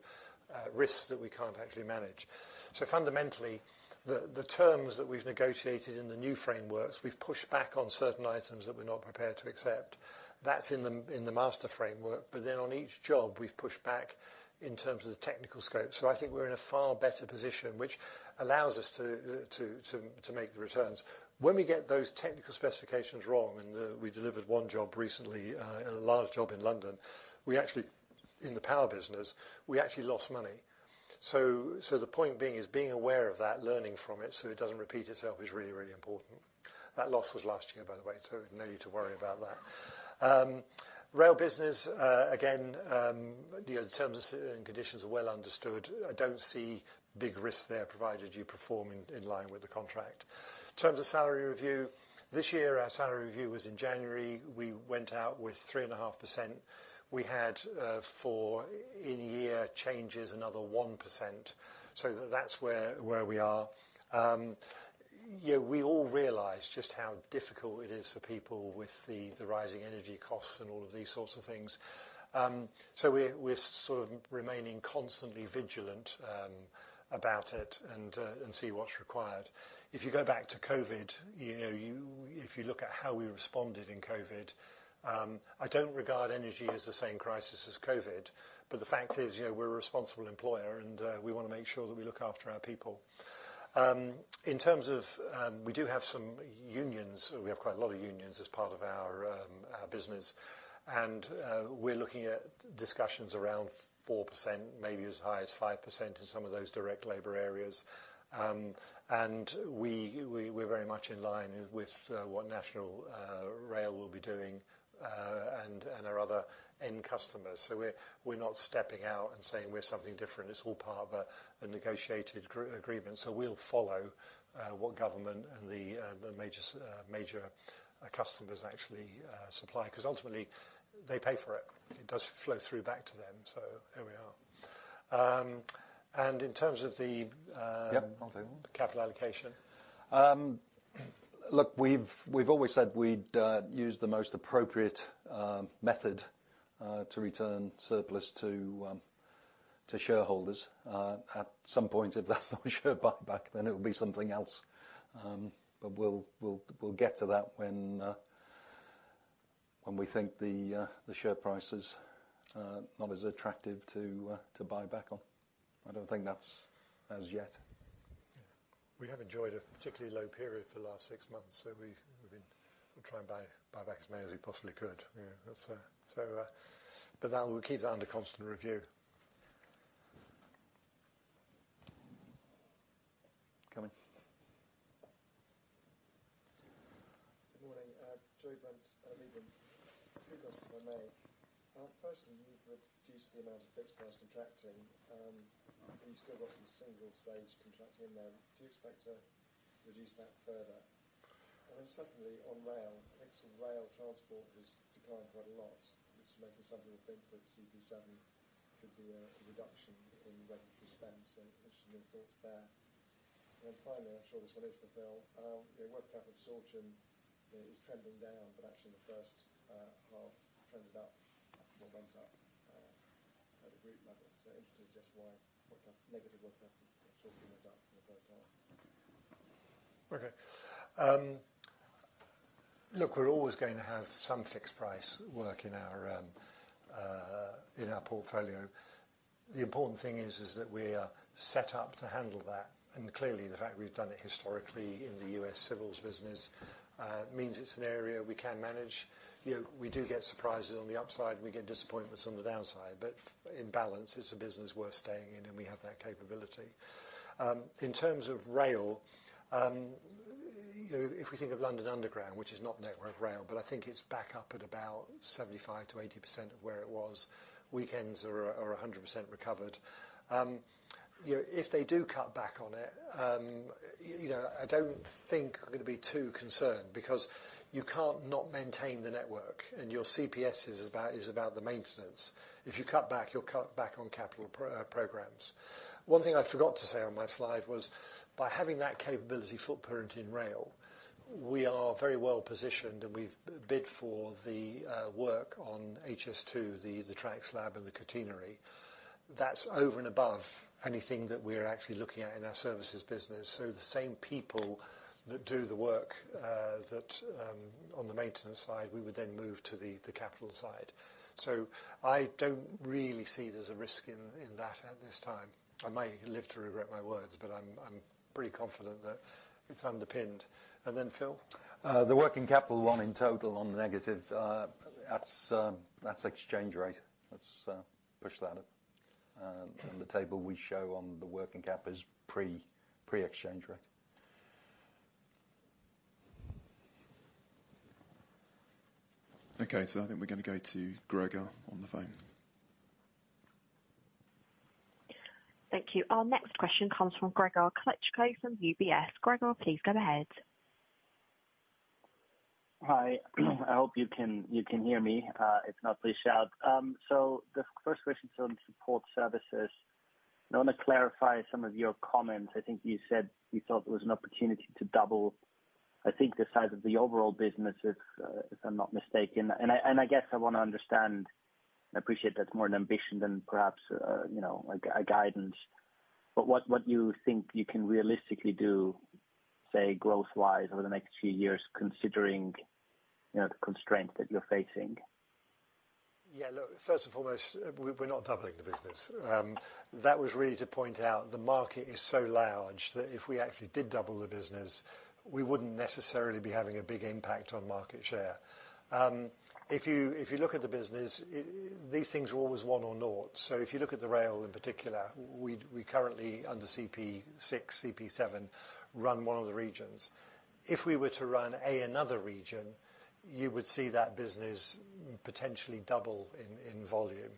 A: risks that we can't actually manage. Fundamentally, the terms that we've negotiated in the new frameworks, we've pushed back on certain items that we're not prepared to accept. That's in the master framework. But then on each job, we've pushed back in terms of the technical scope. I think we're in a far better position, which allows us to make the returns. When we get those technical specifications wrong, we delivered one job recently, a large job in London. In the power business, we actually lost money. The point being is being aware of that, learning from it so it doesn't repeat itself is really, really important. That loss was last year, by the way, no need to worry about that. Rail business, again, you know, the terms and conditions are well understood. I don't see big risks there provided you perform in line with the contract. In terms of salary review, this year, our salary review was in January. We went out with 3.5%. We had four in year changes, another 1%. That's where we are. You know, we all realize just how difficult it is for people with the rising energy costs and all of these sorts of things. We're sort of remaining constantly vigilant about it and see what's required. If you go back to COVID, if you look at how we responded in COVID, I don't regard energy as the same crisis as COVID, the fact is, we're a responsible employer and we wanna make sure that we look after our people. In terms of, we do have some unions. We have quite a lot of unions as part of our business. We're looking at discussions around 4%, maybe as high as 5% in some of those direct labor areas. We're very much in line with what National Rail will be doing and our other end customers. We're not stepping out and saying we're something different. It's all part of a negotiated agreement. We'll follow what government and the major customers actually supply, 'cause ultimately they pay for it. It does flow through back to them. Here we are. In terms of the Yep, I'll take them capital allocation.
B: Look, we've always said we'd use the most appropriate method to return surplus to shareholders. At some point, if that's not share buyback, then it'll be something else. We'll get to that when we think the share price is not as attractive to buy back on. I don't think that's as yet.
A: We have enjoyed a particularly low period for the last six months, so we've been trying to buy back as many as we possibly could. Yeah, that's. We'll keep that under constant review.
E: Coming.
F: Good morning. Joe Brent, look, we're always going to have some fixed price work in our portfolio. The important thing is that we are set up to handle that. Clearly, the fact we've done it historically in the U.S. Civils business means it's an area we can manage. You know, we do get surprises on the upside, and we get disappointments on the downside. In balance, it's a business worth staying in, and we have that capability. In terms of rail, if we think of London Underground, which is not Network Rail, but I think it's back up at about 75%-80% of where it was. Weekends are 100% recovered.
A: You know, if they do cut back on it, you know, I don't think I'm gonna be too concerned because you can't not maintain the network, and your CPS is about the maintenance. If you cut back, you'll cut back on capital programs. One thing I forgot to say on my slide was by having that capability footprint in rail, we are very well-positioned, and we've bid for the work on HS2, the track slab and the catenary. That's over and above anything that we're actually looking at in our services business. The same people that do the work on the maintenance side, we would then move to the capital side. I don't really see there's a risk in that at this time. I might live to regret my words, but I'm pretty confident that it's underpinned. Then Phil.
B: The working capital one in total on the negative, that's exchange rate. Let's push that up. The table we show on the working cap is pre-exchange rate.
C: Okay. I think we're gonna go to Gregor on the phone.
G: Thank you. Our next question comes from Gregor Kuglitsch from UBS. Gregor, please go ahead.
H: Hi. I hope you can hear me. If not, please shout. The first question's on Support Services. I wanna clarify some of your comments. I think you said you thought there was an opportunity to double, I think, the size of the overall business if I'm not mistaken. I guess I wanna understand. I appreciate that's more an ambition than perhaps you know a guidance, but what you think you can realistically do, say, growth-wise over the next few years, considering you know the constraints that you're facing?
A: Yeah, look, first and foremost, we're not doubling the business. That was really to point out the market is so large that if we actually did double the business, we wouldn't necessarily be having a big impact on market share. If you look at the business, these things were always one or naught. If you look at the rail in particular, we currently under CP6, CP7 run one of the regions. If we were to run another region, you would see that business potentially double in volume.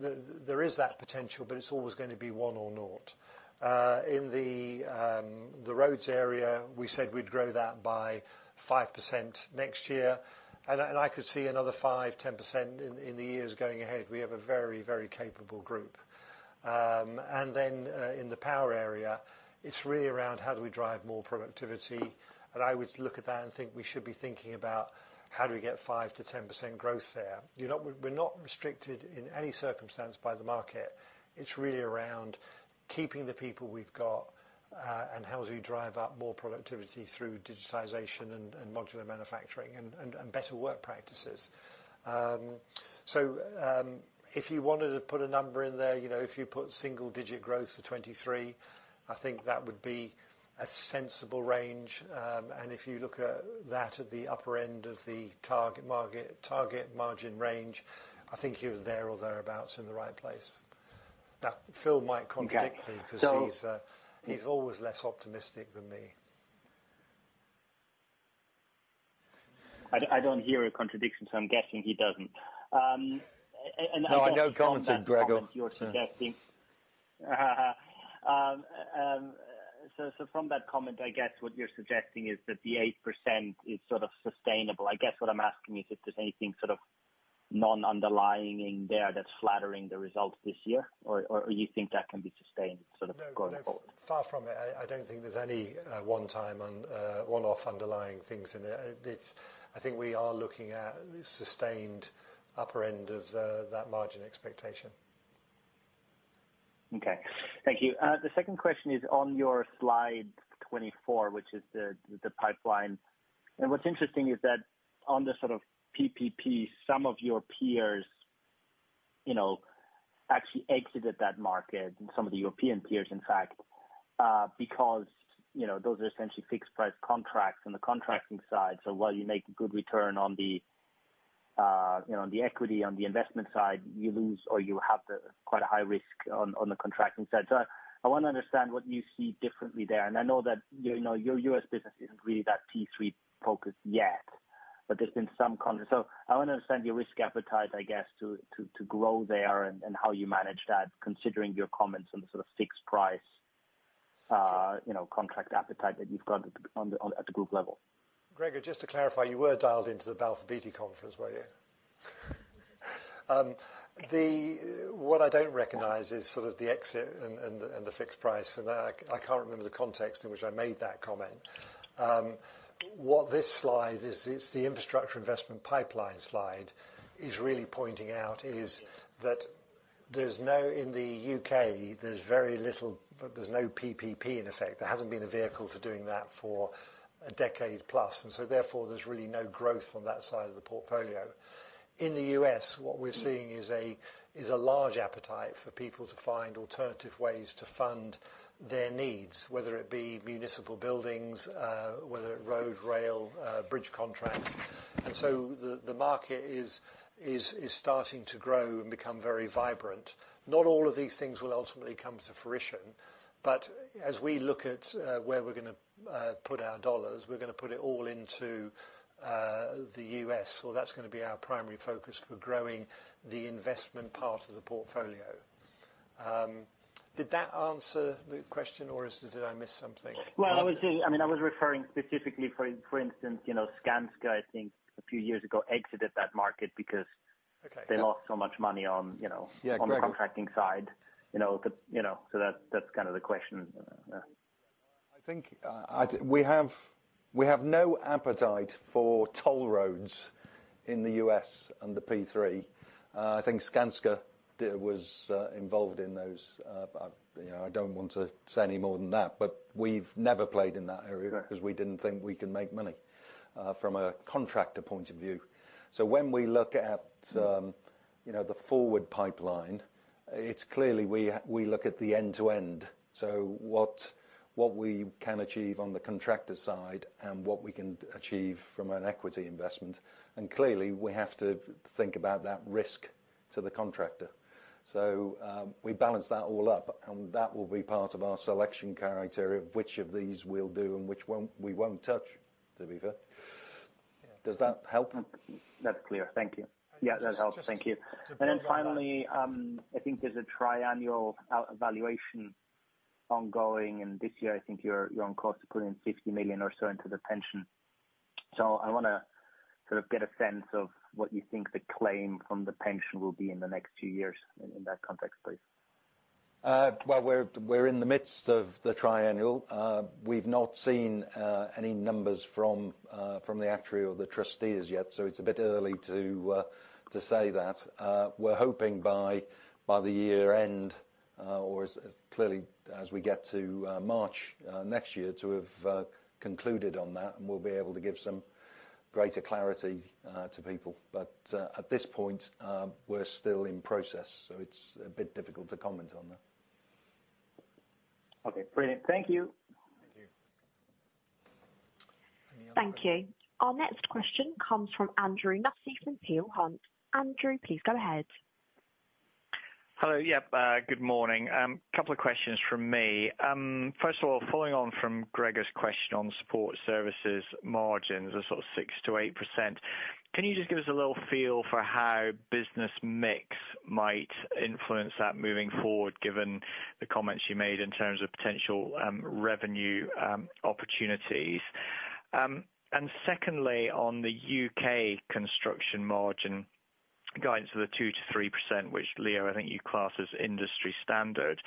A: There is that potential, but it's always gonna be one or naught. In the roads area, we said we'd grow that by 5% next year, and I could see another 5%-10% in the years going ahead. We have a very capable group. In the power area, it's really around how do we drive more productivity? I would look at that and think we should be thinking about how do we get 5%-10% growth there? You know, we're not restricted in any circumstance by the market. It's really around keeping the people we've got and how do we drive up more productivity through digitization and modular manufacturing and better work practices. If you wanted to put a number in there, you know, if you put single-digit growth for 2023, I think that would be a sensible range. If you look at that at the upper end of the target margin range, I think you're there or thereabouts in the right place. Now, Phil might contradict me.
H: Okay.
A: 'Cause he's always less optimistic than me.
H: I don't hear a contradiction, so I'm guessing he doesn't. I guess from that comment you're suggesting.
A: No, I know Gregor.
H: From that comment, I guess what you're suggesting is that the 8% is sort of sustainable. I guess what I'm asking is if there's anything sort of non-underlying in there that's flattering the results this year or you think that can be sustained sort of going forward?
A: No, no. Far from it. I don't think there's any one-off underlying things in it. I think we are looking at sustained upper end of that margin expectation.
H: Okay. Thank you. The second question is on your slide 24, which is the pipeline. What's interesting is that on the sort of PPP, some of your peers, you know, actually exited that market, and some of the European peers, in fact, because, you know, those are essentially fixed price contracts on the contracting side. While you make good return on the, you know, on the equity, on the investment side, you lose or you have the quite a high risk on the contracting side. I wanna understand what you see differently there. I know that, you know, your U.S. business isn't really that P3 focused yet. I wanna understand your risk appetite, I guess, to grow there and how you manage that considering your comments on the sort of fixed price, you know, contract appetite that you've got at the group level.
A: Gregor, just to clarify, you were dialed into the Balfour Beatty conference, were you? What I don't recognize is sort of the exit and the fixed price, and I can't remember the context in which I made that comment. What this slide is the Infrastructure Investments pipeline slide is really pointing out is that in the U.K., there's very little. There's no PPP in effect. There hasn't been a vehicle for doing that for a decade plus. Therefore, there's really no growth on that side of the portfolio. In the U.S., what we're seeing is a large appetite for people to find alternative ways to fund their needs, whether it be municipal buildings, road, rail, bridge contracts. The market is starting to grow and become very vibrant. Not all of these things will ultimately come to fruition, but as we look at where we're gonna put our dollars, we're gonna put it all into the U.S., or that's gonna be our primary focus for growing the investment part of the portfolio. Did that answer the question, or did I miss something?
H: Well, I was referring specifically, for instance, you know, Skanska, I think a few years ago, exited that market because.
A: Okay.
H: They lost so much money on, you know.
A: Yeah, Gregor.
H: On the contracting side. You know, you know, that's kind of the question. Yeah.
B: I think we have no appetite for toll roads in the U.S. and the P3. I think Skanska was involved in those, you know, I don't want to say any more than that, but we've never played in that area.
H: Right.
B: 'Cause we didn't think we could make money from a contractor point of view. When we look at, you know, the forward pipeline, it's clearly we look at the end to end. What we can achieve on the contractor side and what we can achieve from an equity investment. Clearly, we have to think about that risk to the contractor. We balance that all up, and that will be part of our selection criteria of which of these we'll do and which we won't touch to be fair. Does that help?
H: That's clear. Thank you. Yeah. That helps. Thank you.
A: Just one final.
H: Finally, I think there's a triennial valuation ongoing, and this year, I think you're on course to put in 50 million or so into the pension. I wanna sort of get a sense of what you think the claim from the pension will be in the next two years in that context, please.
A: Well, we're in the midst of the triennial. We've not seen any numbers from the actuary or the trustees yet, so it's a bit early to say that. We're hoping by the year end or as early as we get to March next year to have concluded on that, and we'll be able to give some greater clarity to people. At this point, we're still in process, so it's a bit difficult to comment on that.
H: Okay. Brilliant. Thank you.
A: Thank you.
G: Thank you. Our next question comes from Andrew Nussey from Peel Hunt. Andrew, please go ahead.
I: Hello. Yeah. Good morning. Couple of questions from me. First of all, following on from Gregor's question on Support Services margins of sort of 6%-8%, can you just give us a little feel for how business mix might influence that moving forward, given the comments you made in terms of potential revenue opportunities? Secondly, on the U.K. construction margin guidance of the 2%-3%, which Leo, I think you class as industry standard.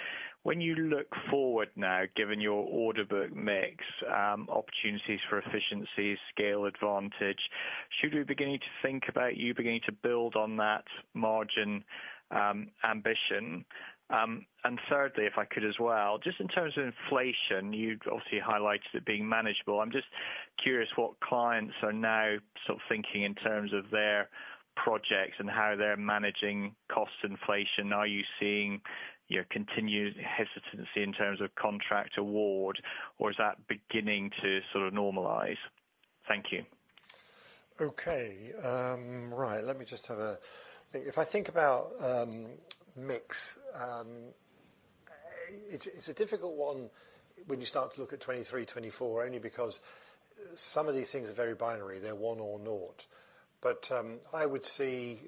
I: When you look forward now, given your order book mix, opportunities for efficiencies, scale advantage, should we be beginning to think about you beginning to build on that margin ambition? Thirdly, if I could as well, just in terms of inflation, you'd obviously highlighted it being manageable. I'm just curious what clients are now sort of thinking in terms of their projects and how they're managing cost inflation. Are you seeing your continued hesitancy in terms of contract award, or is that beginning to sort of normalize? Thank you.
A: Okay. Right. Let me just have a think. If I think about mix, it's a difficult one when you start to look at 2023, 2024, only because some of these things are very binary. They're one or naught. I would see,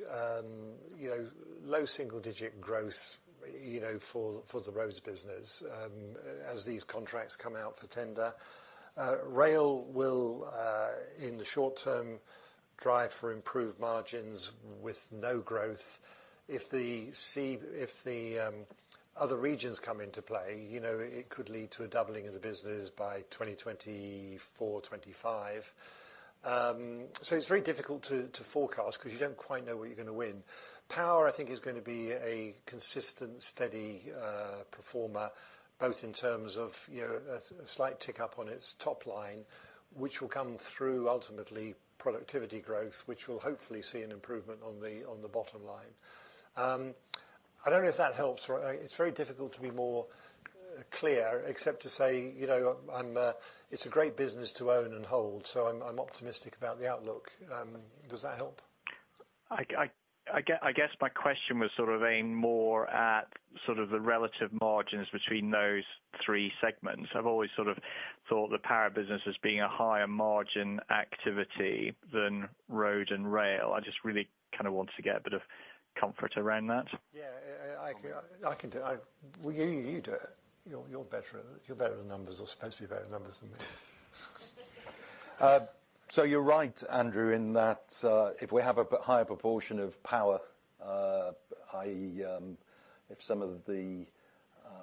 A: you know, low single-digit growth, you know, for the roads business, as these contracts come out for tender. Rail will, in the short term, drive for improved margins with no growth. If the other regions come into play, you know, it could lead to a doubling of the business by 2024, 2025. It's very difficult to forecast because you don't quite know what you're gonna win. Power, I think, is gonna be a consistent, steady performer, both in terms of, you know, a slight tick up on its top line, which will come through ultimately productivity growth, which will hopefully see an improvement on the bottom line. I don't know if that helps. It's very difficult to be more clear except to say, you know, I'm it's a great business to own and hold, so I'm optimistic about the outlook. Does that help?
I: I guess my question was sort of aimed more at sort of the relative margins between those three segments. I've always sort of thought the power business as being a higher margin activity than road and rail. I just really kinda wanted to get a bit of comfort around that.
A: Yeah. Well, you do it. You're better at numbers, or supposed to be better at numbers than me.
B: So you're right, Andrew, in that if we have a higher proportion of power, i.e., if some of the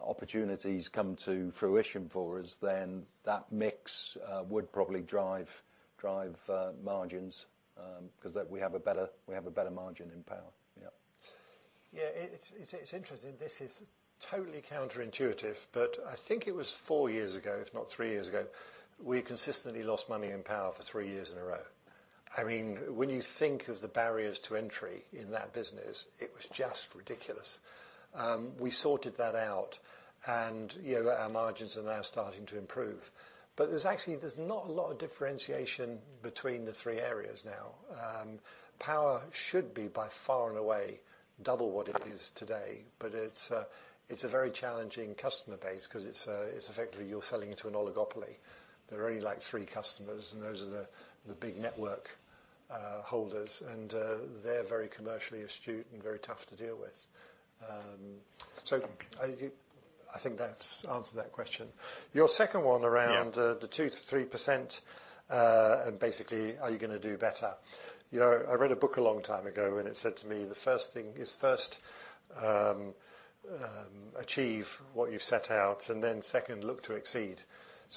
B: opportunities come to fruition for us, then that mix would probably drive margins, 'cause we have a better margin in power. Yeah.
A: It's interesting. This is totally counterintuitive, but I think it was four years ago, if not three years ago, we consistently lost money in power for three years in a row. I mean, when you think of the barriers to entry in that business, it was just ridiculous. We sorted that out and, you know, our margins are now starting to improve. There's actually not a lot of differentiation between the three areas now. Power should be by far and away double what it is today, but it's a very challenging customer base 'cause it's effectively you're selling it to an oligopoly. There are only, like, three customers, and those are the big network holders, and they're very commercially astute and very tough to deal with. I think that's answered that question. Your second one around the 2%-3%, and basically, are you gonna do better? You know, I read a book a long time ago, and it said to me, the first thing is first, achieve what you set out and then second, look to exceed.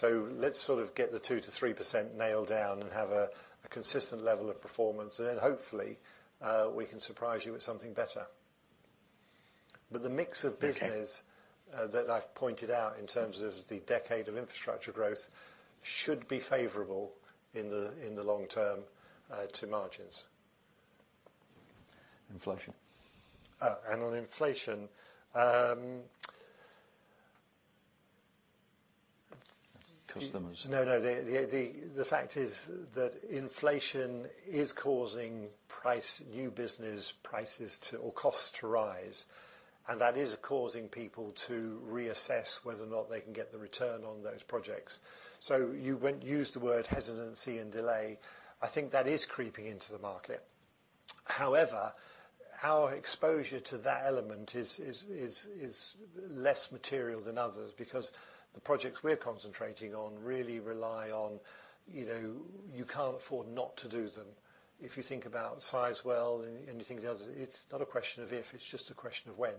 A: Let's sort of get the 2%-3% nailed down and have a consistent level of performance. Then hopefully, we can surprise you with something better. The mix of business-
I: Okay
A: that I've pointed out in terms of the decade of infrastructure growth should be favorable in the long term to margins. Inflation. On inflation, customers. No, no. The fact is that inflation is causing price, new business prices to, or costs to rise, and that is causing people to reassess whether or not they can get the return on those projects. You used the word hesitancy and delay. I think that is creeping into the market. However, our exposure to that element is less material than others because the projects we're concentrating on really rely on, you know, you can't afford not to do them. If you think about Sizewell and you think of the others, it's not a question of if, it's just a question of when.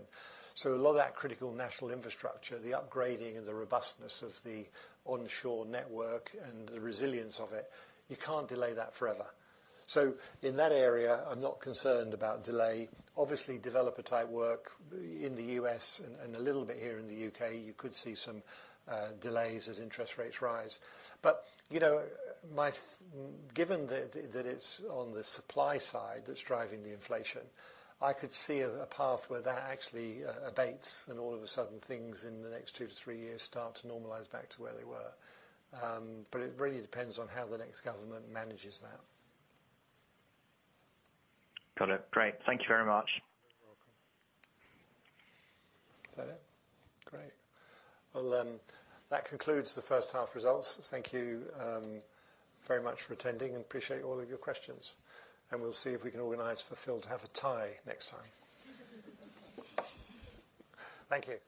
A: A lot of that critical national infrastructure, the upgrading and the robustness of the onshore network and the resilience of it, you can't delay that forever. In that area, I'm not concerned about delay. Obviously, developer-type work in the U.S. and a little bit here in the U.K., you could see some delays as interest rates rise. You know, given that it's on the supply side that's driving the inflation, I could see a path where that actually abates and all of a sudden things in the next two to three years start to normalize back to where they were. It really depends on how the next government manages that.
I: Got it. Great. Thank you very much.
A: You're welcome. Is that it? Great. Well then, that concludes the first half results. Thank you, very much for attending and appreciate all of your questions. We'll see if we can organize for Phil to have a tie next time. Thank you.